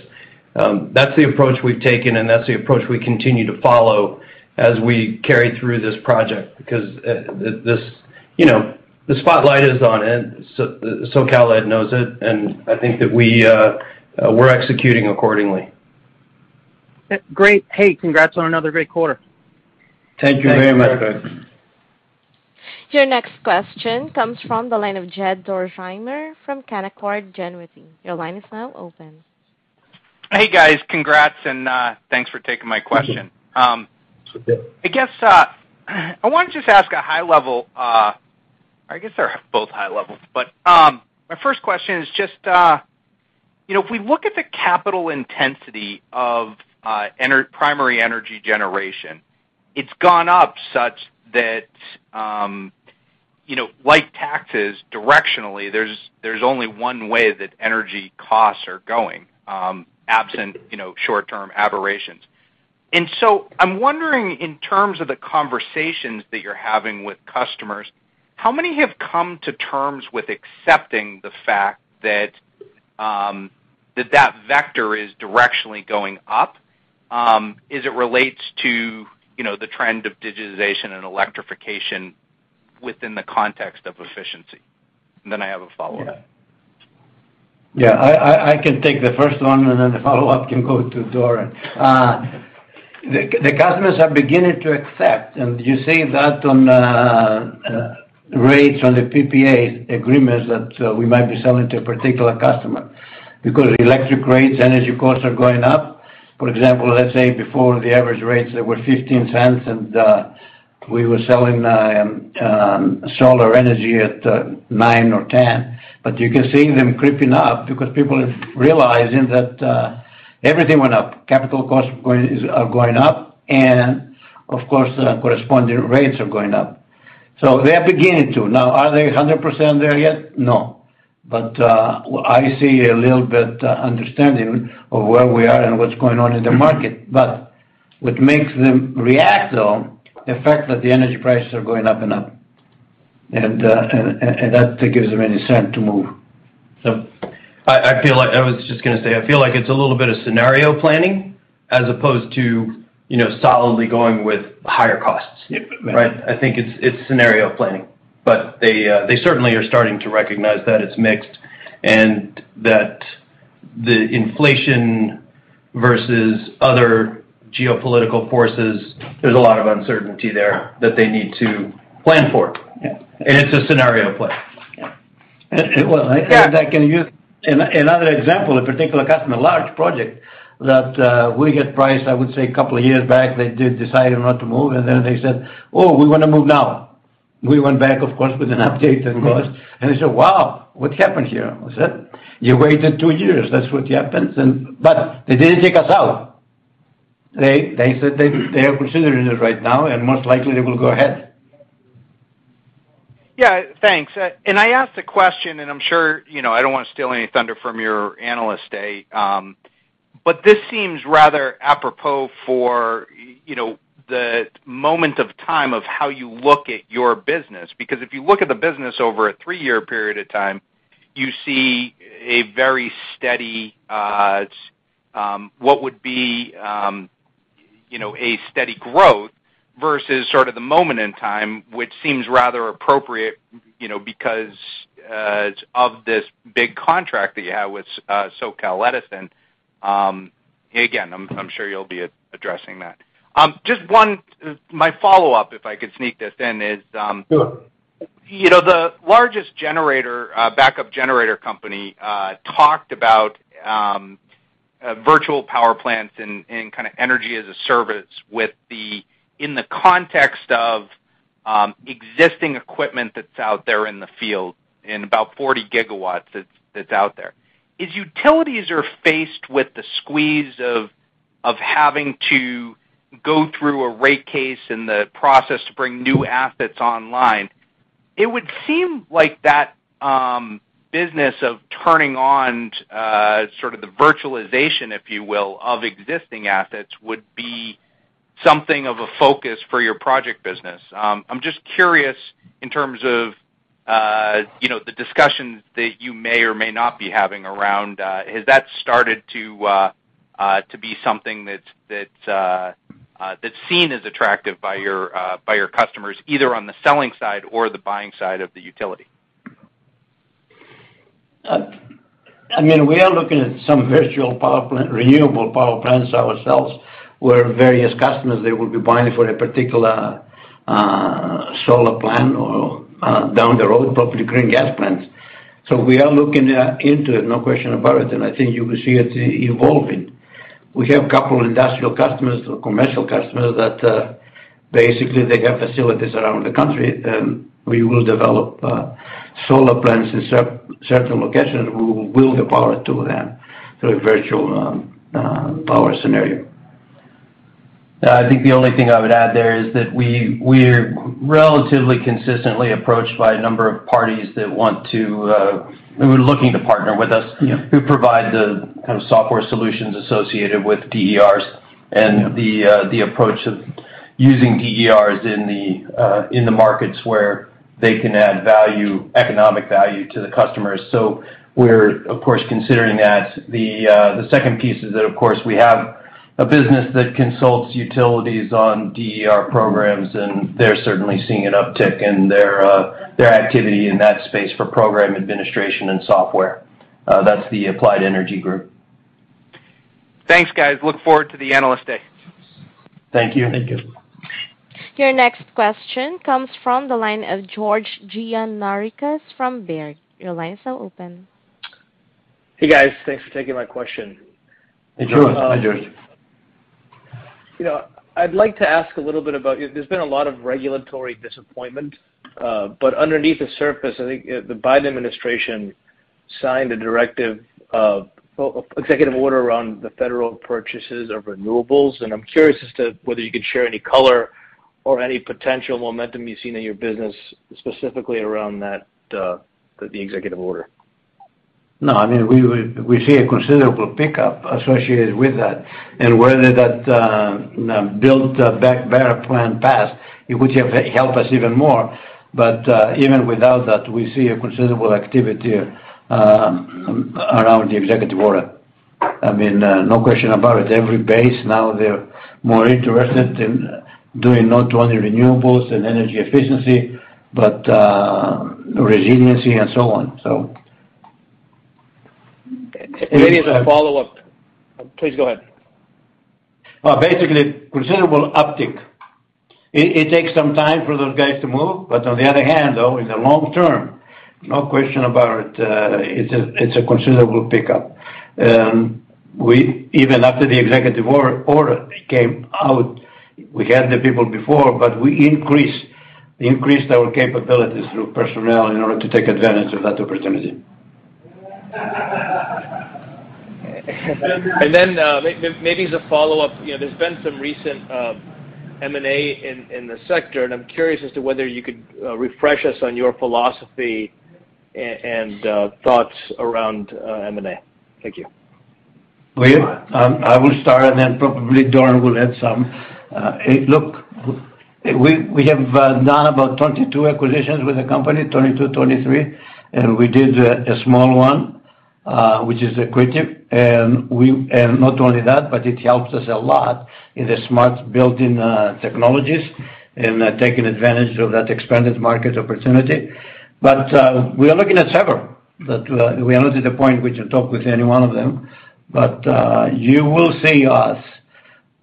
That's the approach we've taken, and that's the approach we continue to follow as we carry through this project because this, you know, the spotlight is on, and SoCal Ed knows it, and I think that we're executing accordingly. Great. Hey, congrats on another great quarter. Thank you very much. Thanks. Your next question comes from the line of Jed Dorsheimer from Canaccord Genuity. Your line is now open. Hey, guys. Congrats, and thanks for taking my question. I guess I want to just ask a high level. I guess they're both high level. My first question is just, you know, if we look at the capital intensity of primary energy generation, it's gone up such that, you know, like taxes directionally there's only one way that energy costs are going absent, you know, short-term aberrations. I'm wondering in terms of the conversations that you're having with customers, how many have come to terms with accepting the fact that that vector is directionally going up as it relates to, you know, the trend of digitization and electrification within the context of efficiency? Then I have a follow-up. Yeah. I can take the first one, and then the follow-up can go to Doran. The customers are beginning to accept, and you see that on rates, on the PPA agreements that we might be selling to a particular customer. Because electric rates, energy costs are going up. For example, let's say before the average rates, they were $0.15, and we were selling solar energy at $0.09 or $0.10. But you can see them creeping up because people are realizing that everything went up. Capital costs are going up, and, of course, the corresponding rates are going up. They are beginning to. Now, are they 100% there yet? No. But I see a little bit understanding of where we are and what's going on in the market. What makes them react, though, the fact that the energy prices are going up and up, and that gives them an incentive to move. I feel like, I was just gonna say, I feel like it's a little bit of scenario planning as opposed to, you know, solidly going with higher costs. Yeah. Right? I think it's scenario planning. They certainly are starting to recognize that it's mixed, and that the inflation versus other geopolitical forces, there's a lot of uncertainty there that they need to plan for. Yeah. It's a scenario plan. Yeah. Well, I can give- Yeah-... another example, a particular customer, large project that we had priced, I would say, a couple of years back. They did decide not to move, and then they said, "Oh, we wanna move now." We went back, of course, with an updated cost, and they said, "Wow, what happened here?" I said, "You waited two years. That's what happened." But they didn't take us out. They said they are considering it right now, and most likely they will go ahead. Yeah. Thanks. I asked a question, and I'm sure, you know, I don't wanna steal any thunder from your Analyst Day, but this seems rather apropos for, you know, the moment of time of how you look at your business. If you look at the business over a three-year period of time, you see a very steady, what would be, you know, a steady growth versus sort of the moment in time, which seems rather appropriate, you know, because of this big contract that you have with SoCal Edison. Again, I'm sure you'll be addressing that. Just one. My follow-up, if I could sneak this in, is- Sure. You know, the largest backup generator company talked about virtual power plants and kind of energy as a service in the context of existing equipment that's out there in the field and about 40 GW that's out there. As utilities are faced with the squeeze of having to go through a rate case and the process to bring new assets online, it would seem like that business of turning on sort of the virtualization, if you will, of existing assets would be something of a focus for your project business. I'm just curious in terms of, you know, the discussions that you may or may not be having around, has that started to be something that's seen as attractive by your customers, either on the selling side or the buying side of the utility? I mean, we are looking at some virtual power plant, renewable power plants ourselves, where various customers, they will be buying for a particular solar plant or down the road, probably green gas plants. We are looking into it, no question about it, and I think you will see it evolving. We have a couple industrial customers or commercial customers that basically, they have facilities around the country, and we will develop solar plants in certain locations. We will get power to them through a virtual power scenario. Yeah, I think the only thing I would add there is that we're relatively consistently approached by a number of parties who are looking to partner with us- Yeah... who provide the kind of software solutions associated with DERs. Yeah. The approach of using DERs in the markets where they can add value, economic value to the customers. We're, of course, considering that. The second piece is that, of course, we have a business that consults utilities on DER programs, and they're certainly seeing an uptick in their activity in that space for program administration and software. That's the Applied Energy Group. Thanks, guys. I look forward to the Analyst Day. Thank you. Thank you. Your next question comes from the line of George Gianarikas from Baird. Your line is now open. Hey, guys. Thanks for taking my question. Hey, George. Hi, George. You know, I'd like to ask a little bit about--there's been a lot of regulatory disappointment, but underneath the surface, I think, the Biden administration signed a directive of, well, executive order around the federal purchases of renewables. I'm curious as to whether you could share any color or any potential momentum you've seen in your business, specifically around that, the executive order. No, I mean, we see a considerable pickup associated with that. Whether that Build Back Better plan passed, it would have helped us even more. Even without that, we see a considerable activity around the executive order. I mean, no question about it. Every base now, they're more interested in doing not only renewables and energy efficiency, but resiliency and so on. Maybe as a follow-up. Please go ahead. Well, basically considerable uptick. It takes some time for those guys to move, but on the other hand, though, in the long term, no question about it, it's a considerable pickup. Even after the executive order came out, we had the people before, but we increased our capabilities through personnel in order to take advantage of that opportunity. Maybe as a follow-up, you know, there's been some recent M&A in the sector, and I'm curious as to whether you could refresh us on your philosophy and thoughts around M&A. Thank you. I will start, and then probably Doran will add some. Look, we have done about 22-23 acquisitions with the company. We did a small one, which is accretive. Not only that, but it helps us a lot in the smart building technologies and taking advantage of that expanded market opportunity. We are looking at several, but we are not at the point we can talk with any one of them. You will see us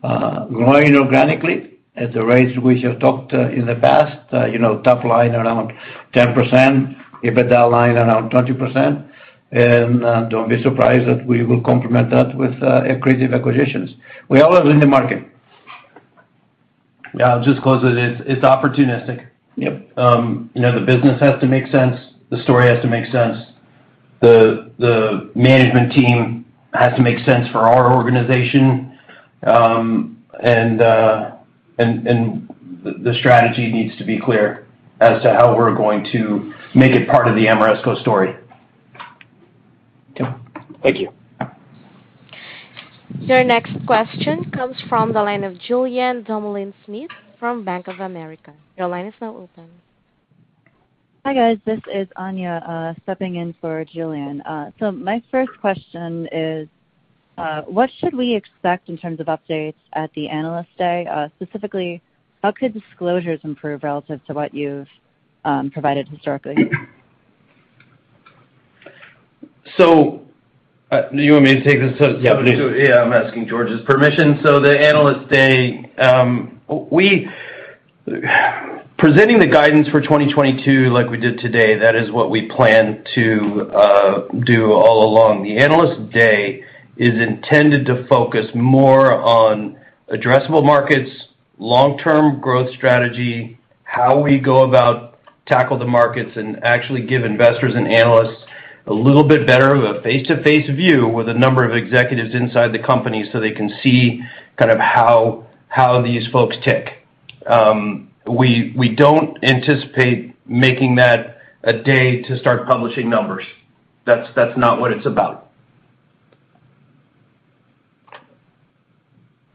growing organically at the rates we have talked in the past, you know, top line around 10%, EBITDA line around 20%. Don't be surprised that we will complement that with accretive acquisitions. We are always in the market. Yeah, I'll just close it. It's opportunistic. Yep. You know, the business has to make sense. The story has to make sense. The management team has to make sense for our organization. The strategy needs to be clear as to how we're going to make it part of the Ameresco story. Yeah. Thank you. Your next question comes from the line of Julien Dumoulin-Smith from Bank of America. Your line is now open. Hi, guys, this is Anya stepping in for Julien. My first question is, what should we expect in terms of updates at the Analyst Day? Specifically, how could disclosures improve relative to what you've provided historically? Do you want me to take this? Yeah. Yeah, I'm asking George's permission. The Analyst Day, presenting the guidance for 2022 like we did today, that is what we plan to do all along. The Analyst Day is intended to focus more on addressable markets, long-term growth strategy, how we go about tackling the markets, and actually give investors and analysts a little bit better of a face-to-face view with a number of executives inside the company, so they can see kind of how these folks tick. We don't anticipate making that a day to start publishing numbers. That's not what it's about.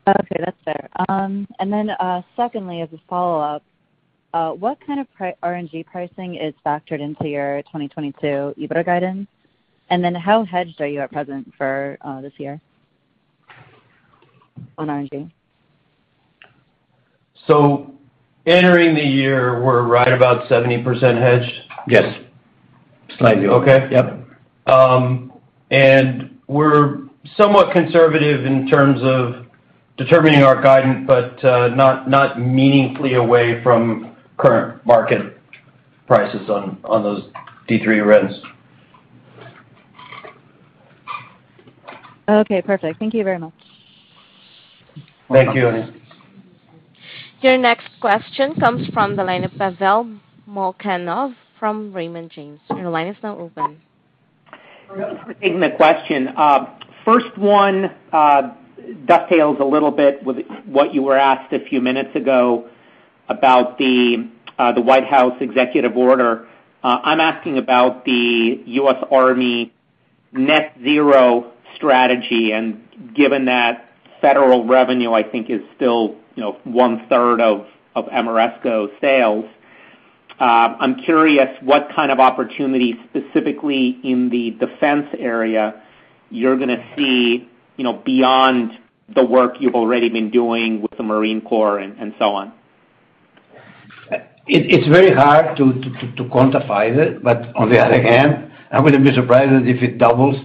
Okay, that's fair. Secondly, as a follow-up, what kind of RNG pricing is factored into your 2022 EBITDA guidance? How hedged are you at present for this year on RNG? Entering the year, we're right about 70% hedged. Yes. Slightly. Okay. Yep. We're somewhat conservative in terms of determining our guidance, but not meaningfully away from current market prices on those D3 RINs. Okay, perfect. Thank you very much. Welcome. Thank you, Anya. Your next question comes from the line of Pavel Molchanov from Raymond James. Your line is now open. Thanks for taking the question. First one dovetails a little bit with what you were asked a few minutes ago about the White House executive order. I'm asking about the U.S. Army Net Zero strategy, and given that federal revenue, I think, is still, you know, 1/3 of Ameresco's sales, I'm curious what kind of opportunities, specifically in the defense area, you're gonna see, you know, beyond the work you've already been doing with the Marine Corps and so on. It's very hard to quantify it, but on the other hand, I wouldn't be surprised if it doubles,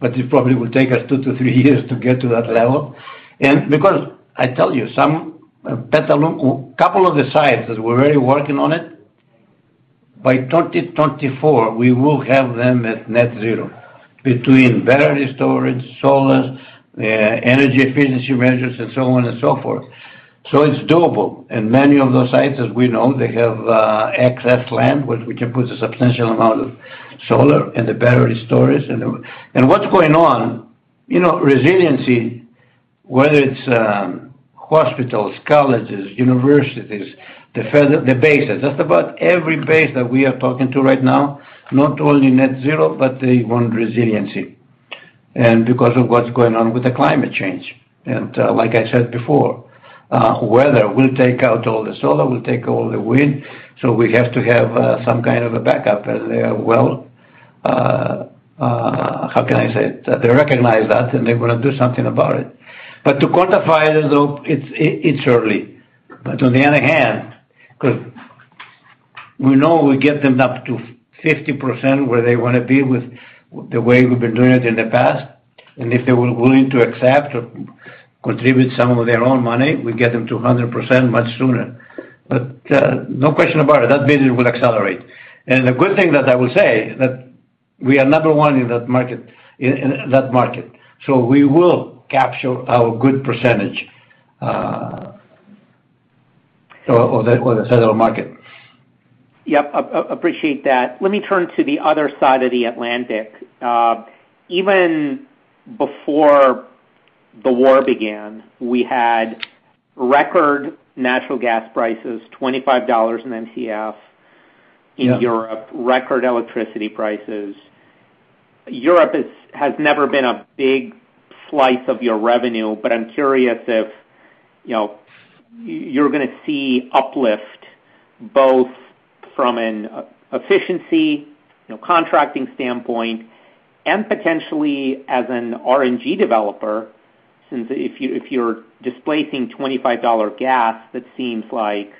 but it probably will take us two to three years to get to that level. Because I tell you, some Petaluma, couple of the sites that we're already working on it, by 2024, we will have them at net zero between battery storage, solar, energy efficiency measures, and so on and so forth. It's doable. Many of those sites, as we know, they have excess land, which we can put a substantial amount of solar and the battery storage. What's going on, you know, resiliency, whether it's hospitals, colleges, universities, the federal bases. Just about every base that we are talking to right now, not only net zero, but they want resiliency, and because of what's going on with the climate change. Like I said before, weather will take out all the solar, will take all the wind, so we have to have some kind of a backup, and they recognize that, and they wanna do something about it. To quantify it, though, it's early. On the other hand, 'cause we know we get them up to 50% where they wanna be with the way we've been doing it in the past. If they were willing to accept or contribute some of their own money, we get them to 100% much sooner. No question about it, that business will accelerate. The good thing that I will say that we are number one in that market. We will capture our good percentage of the federal market. Yep. Appreciate that. Let me turn to the other side of the Atlantic. Even before the war began, we had record natural gas prices, $25 per MMBtu- Yeah.... in Europe, record electricity prices. Europe has never been a big slice of your revenue, but I'm curious if, you know, you're gonna see uplift both from an efficiency, you know, contracting standpoint and potentially as an RNG developer, since if you're displacing $25 gas, that seems like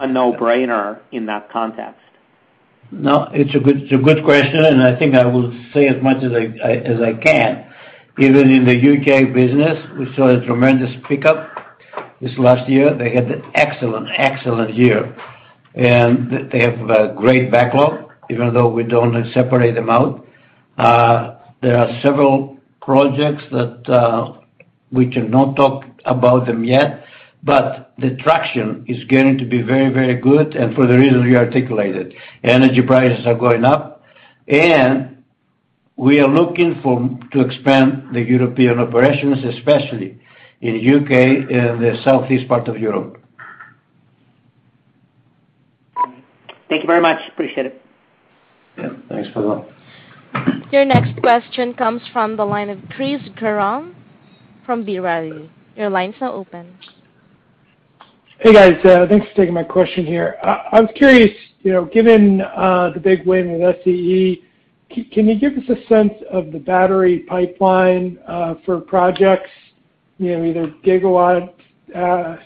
a no-brainer in that context. No, it's a good question, and I think I will say as much as I can. Even in the U.K. business, we saw a tremendous pickup this last year. They had an excellent year. They have a great backlog, even though we don't separate them out. There are several projects that we cannot talk about them yet, but the traction is going to be very good, and for the reason we articulated. Energy prices are going up, and we are looking to expand the European operations, especially in U.K. and the southeast part of Europe. Thank you very much. Appreciate it. Yeah. Thanks, Pavel. Your next question comes from the line of Chris Souther from B. Riley. Your line is now open. Hey guys, thanks for taking my question here. I was curious, you know, given the big win with SCE, can you give us a sense of the battery pipeline for projects, you know, either gigawatt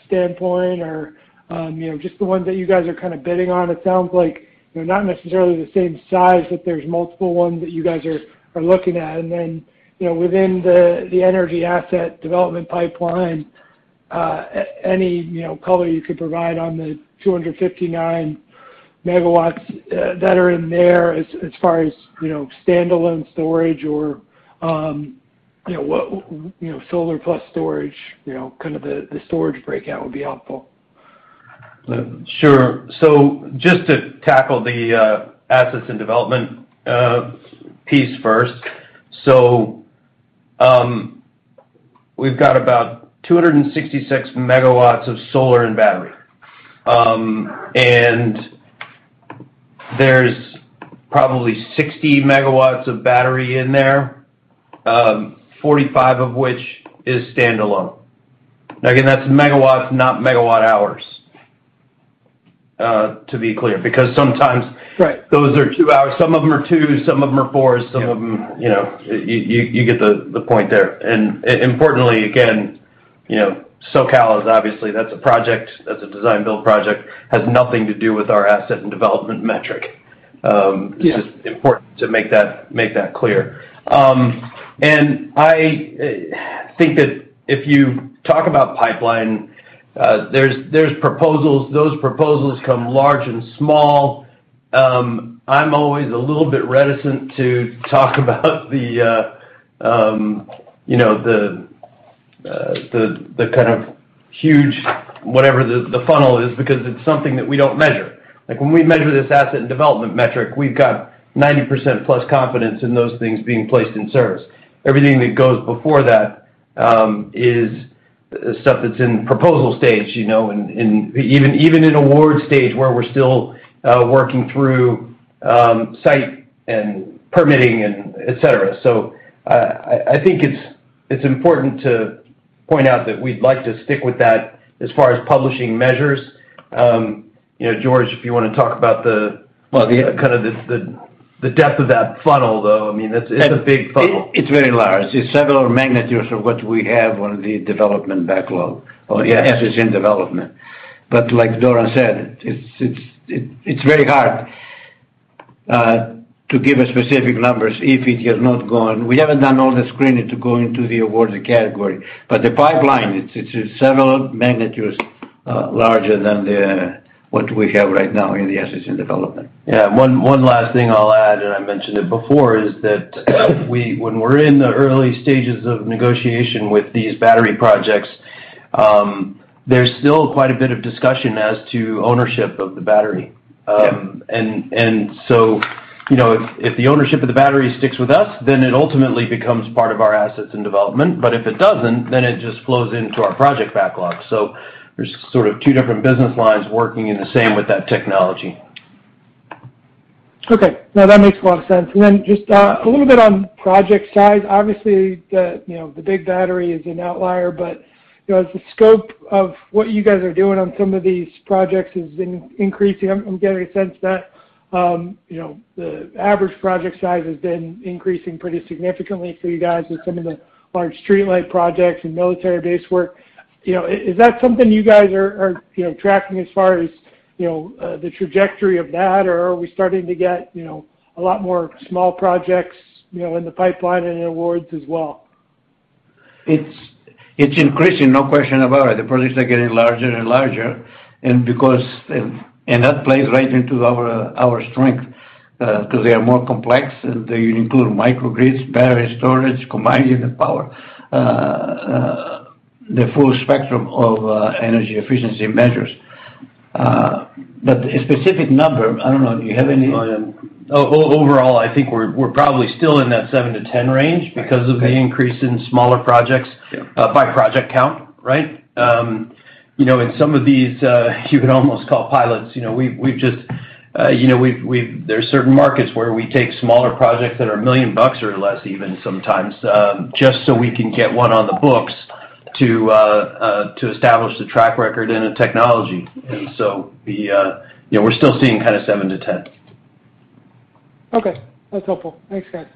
standpoint or you know, just the ones that you guys are kind of bidding on? It sounds like they're not necessarily the same size, but there's multiple ones that you guys are looking at. You know, within the energy asset development pipeline, any, you know, color you could provide on the 259 MW that are in there as far as, you know, standalone storage or, you know, solar plus storage, you know, kind of the storage breakout would be helpful. Sure. Just to tackle the assets and development piece first. We've got about 266 MW of solar and battery. And there's probably 60 MW of battery in there, 45 MW of which is standalone. Again, that's megawatt, not megawatt hours, to be clear, because sometimes- Right.... those are two hours. Some of them are two, some of them are four, some of them, you know, you get the point there. Importantly, again, you know, SoCal is, obviously, that's a project, that's a design build project, has nothing to do with our asset and development metric. Yeah. It's just important to make that clear. I think that if you talk about pipeline, there's proposals. Those proposals come large and small. I'm always a little bit reticent to talk about the kind of huge whatever the funnel is, because it's something that we don't measure. Like, when we measure this asset and development metric, we've got 90% plus confidence in those things being placed in service. Everything that goes before that is stuff that's in proposal stage, you know, and even in award stage where we're still working through site and permitting and et cetera. I think it's important to point out that we'd like to stick with that as far as publishing measures. You know, George, if you wanna talk about the- Well-... the depth of that funnel, though. I mean, that's it. It's a big funnel. It's very large. It's several magnitudes of what we have on the development backlog- Yes.... for the assets in development. Like Doran said, it's very hard to give specific numbers if it has not gone. We haven't done all the screening to go into the awards category. The pipeline, it's several magnitudes larger than what we have right now in the assets in development. Yeah. One last thing I'll add, and I mentioned it before, is that when we're in the early stages of negotiation with these battery projects, there's still quite a bit of discussion as to ownership of the battery. Yeah. You know, if the ownership of the battery sticks with us, then it ultimately becomes part of our assets and development. If it doesn't, then it just flows into our project backlog. There's sort of two different business lines working in the same with that technology. Okay. No, that makes a lot of sense. Then just a little bit on project size. Obviously, the big battery is an outlier, but you know, as the scope of what you guys are doing on some of these projects is increasing, I'm getting a sense that, you know, the average project size has been increasing pretty significantly for you guys with some of the large streetlight projects and military base work. You know, is that something you guys are, you know, tracking as far as, you know, the trajectory of that? Or are we starting to get, you know, a lot more small projects, you know, in the pipeline and in awards as well? It's increasing, no question about it. The projects are getting larger and larger, and that plays right into our strength 'cause they are more complex, and they include microgrids, battery storage, combined heat and power, the full spectrum of energy efficiency measures. A specific number, I don't know, do you have any? Overall, I think we're probably still in that seven to 10 range because of the increase in smaller projects. Yeah. By project count, right? You know, in some of these, you can almost call pilots. There are certain markets where we take smaller projects that are $1 million or less even, sometimes, just so we can get one on the books to establish the track record in a technology. You know, we're still seeing kinda seven to 10. Okay. That's helpful. Thanks, guys.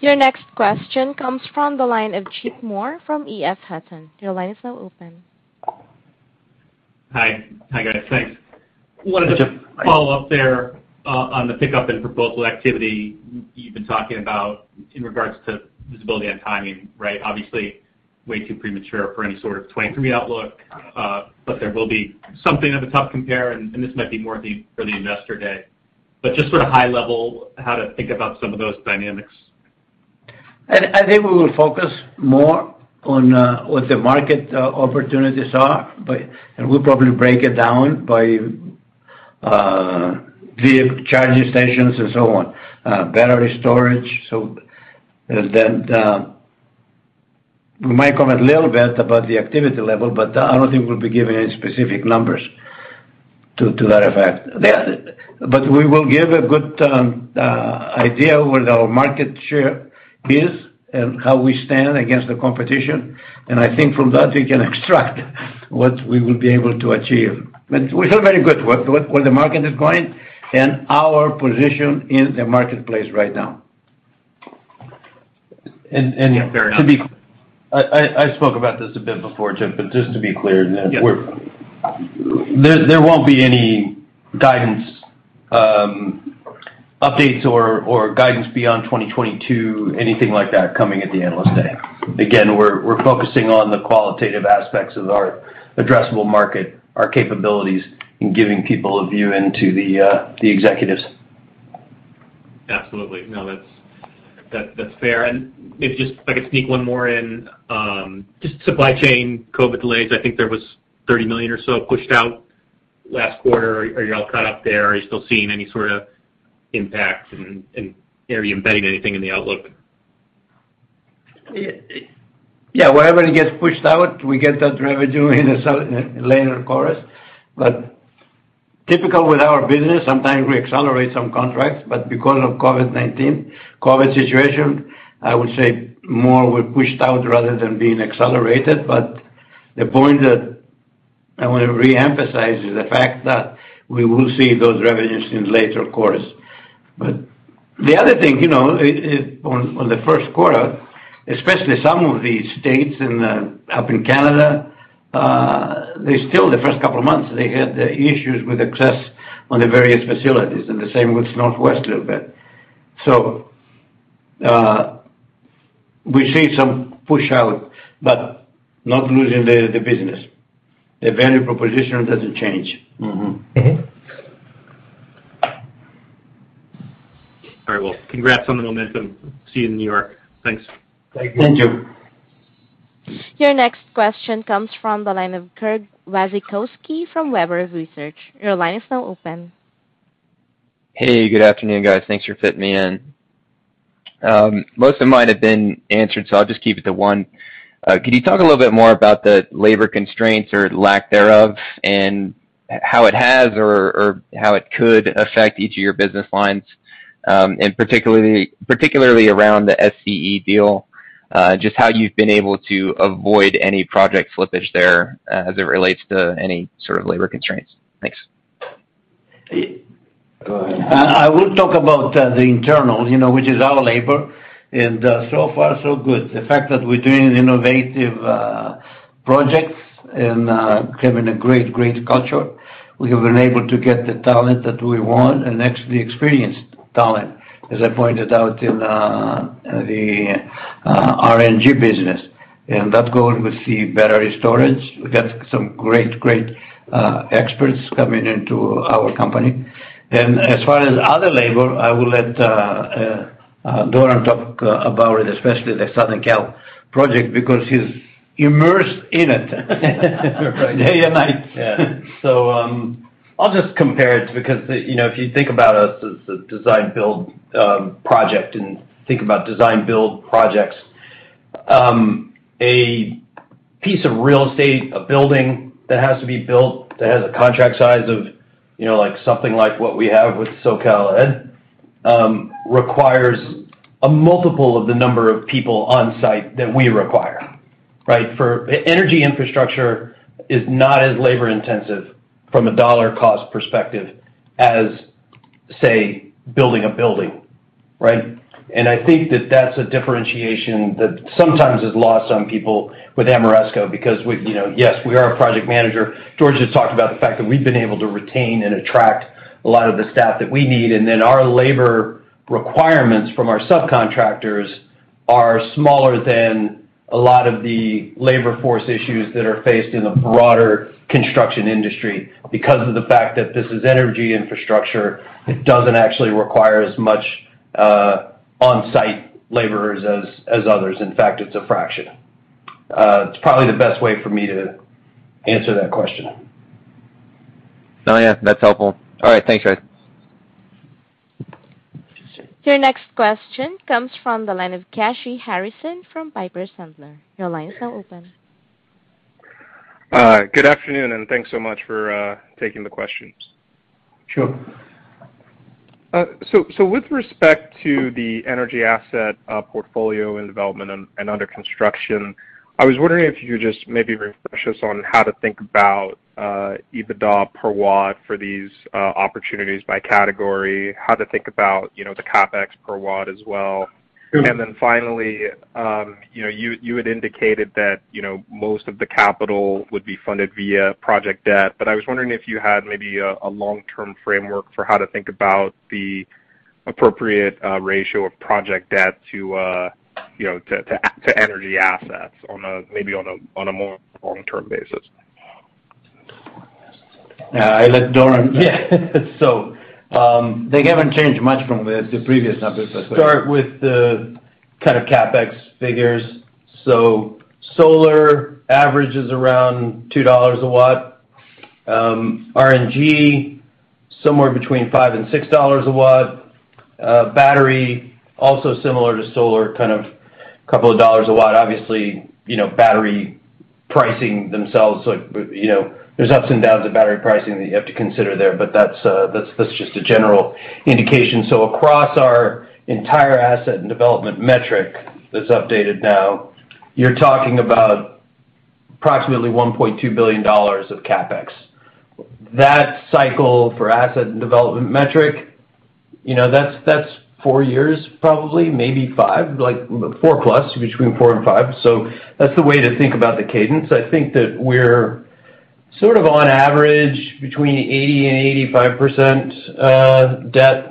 Your next question comes from the line of Chip Moore from EF Hutton. Your line is now open. Hi, guys. Thanks. Hi Chip. Follow up there on the pickup and proposal activity you've been talking about in regards to visibility on timing, right? Obviously, way too premature for any sort of 2023 outlook, but there will be something of a tough compare, and this might be more for the Investor Day. Just sort of high level, how to think about some of those dynamics. I think we will focus more on what the market opportunities are, and we'll probably break it down by the charging stations and so on, battery storage. We might comment a little bit about the activity level, but I don't think we'll be giving any specific numbers to that effect. Yeah. But, we will give a good idea where our market share is and how we stand against the competition. I think from that, we can extract what we will be able to achieve. We feel very good where the market is going and our position in the marketplace right now. And, and- Yeah, fair enough. I spoke about this a bit before, Jim, but just to be clear, that we're- Yes. There won't be any guidance updates or guidance beyond 2022, anything like that coming at the Analyst Day. Again, we're focusing on the qualitative aspects of our addressable market, our capabilities, and giving people a view into the executives. Absolutely. No, that's fair. If I could just sneak one more in, supply chain COVID delays, I think there was $30 million or so pushed out last quarter. Are you all caught up there? Are you still seeing any sort of impacts, and are you embedding anything in the outlook? Wherever it gets pushed out, we get that revenue in later quarters. Typical with our business, sometimes we accelerate some contracts, but because of COVID-19, COVID situation, I would say, more were pushed out rather than being accelerated. The point that I wanna reemphasize is the fact that we will see those revenues in later quarters. The other thing, you know, on the first quarter, especially some of the states and up in Canada, they, still in the first couple of months, they had issues with access on the various facilities, and the same with Northwest a little bit. We see some pushout, but not losing the business. The value proposition doesn't change. All right. Well, congrats on the momentum. See you in New York. Thanks. Thank you. Thank you. Your next question comes from the line of Greg Wasikowski from Webber Research. Your line is now open. Hey, good afternoon, guys. Thanks for fitting me in. Most of mine have been answered, so I'll just keep it to one. Could you talk a little bit more about the labor constraints, or lack thereof, and how it has or how it could affect each of your business lines, and particularly around the SCE deal? Just how you've been able to avoid any project slippage there as it relates to any sort of labor constraints. Thanks. I will talk about the internal, you know, which is our labor, and so far so good. The fact that we're doing innovative projects and having a great culture, we have been able to get the talent that we want and actually experienced talent, as I pointed out in the RNG business. That's going with the battery storage. We got some great experts coming into our company. As far as other labor, I will let Doran talk about it, especially the Southern Cal project, because he's immersed in it day and night. I'll just compare it because, you know, if you think about us as a design build project and think about design build projects, a piece of real estate, a building that has to be built that has a contract size of, you know, like something like what we have with SoCal Ed, requires a multiple of the number of people on site that we require, right? Energy infrastructure is not as labor intensive from a dollar cost perspective as, say, building a building, right? I think that that's a differentiation that sometimes is lost on people with Ameresco because we, you know, yes, we are a project manager. George has talked about the fact that we've been able to retain and attract a lot of the staff that we need, and then our labor requirements from our subcontractors are smaller than a lot of the labor force issues that are faced in the broader construction industry. Because of the fact that this is energy infrastructure, it doesn't actually require as much on-site laborers as others. In fact, it's a fraction. It's probably the best way for me to answer that question. Oh, yeah. That's helpful. All right. Thanks, guys. Your next question comes from the line of Kashy Harrison from Piper Sandler. Your line is now open. Good afternoon, and thanks so much for taking the questions. Sure. With respect to the energy asset portfolio and development and under construction, I was wondering if you could just maybe refresh us on how to think about EBITDA per watt for these opportunities by category, how to think about, you know, the CapEx per watt as well. Sure. Then, finally, you know, you had indicated that, you know, most of the capital would be funded via project debt, but I was wondering if you had maybe a long-term framework for how to think about the appropriate ratio of project debt to, you know, to energy assets on a more long-term basis. I'll let Doran. They haven't changed much from the previous numbers. Start with the kind of CapEx figures. Solar averages around $2 a watt. RNG somewhere between $5-$6 a watt. Battery, also similar to solar, kind of a couple of dollars a watt. Obviously, you know, battery pricing themselves, like, you know, there's ups and downs of battery pricing that you have to consider there, but that's that's just a general indication. Across our entire asset and development metric that's updated now, you're talking about approximately $1.2 billion of CapEx. That cycle for asset and development metric, you know, that's four years probably, maybe five, like four plus, between four and five. That's the way to think about the cadence. I think that we're sort of on average between 80% and 85% debt.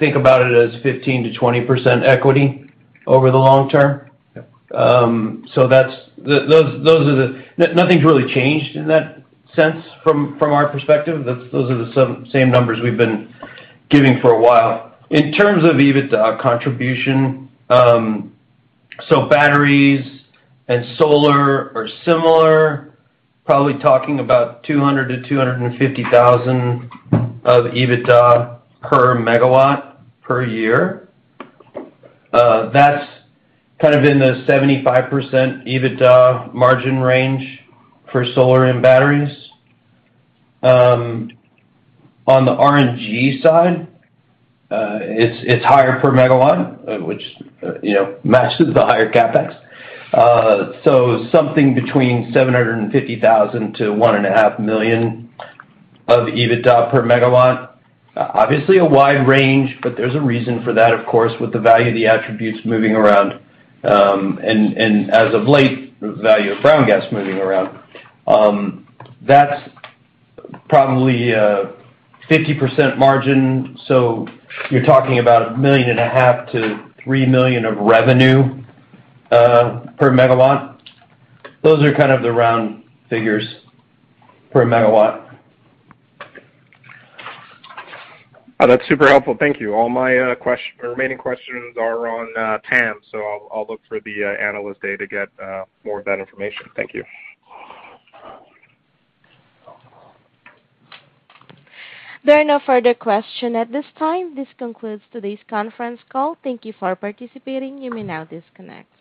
Think about it as 15%-20% equity over the long term. Nothing's really changed in that sense from our perspective. Those are the same numbers we've been giving for a while. In terms of EBITDA contribution, batteries and solar are similar, probably talking about $200,000-$250,000 of EBITDA per megawatt per year. That's kind of in the 75% EBITDA margin range for solar and batteries. On the RNG side, it's higher per megawatt, which, you know, matches the higher CapEx. Something between $750,000-$1.5 million of EBITDA per megawatt. Obviously a wide range, but there's a reason for that, of course, with the value of the attributes moving around, and as of late, value of brown gas moving around. That's probably a 50% margin, so you're talking about $1.5 million-$3 million of revenue per megawatt. Those are kind of the round figures per megawatt. Oh, that's super helpful. Thank you. All my remaining questions are on TAM, so I'll look for the Analyst Day to get more of that information. Thank you. There are no further questions at this time. This concludes today's conference call. Thank you for participating. You may now disconnect.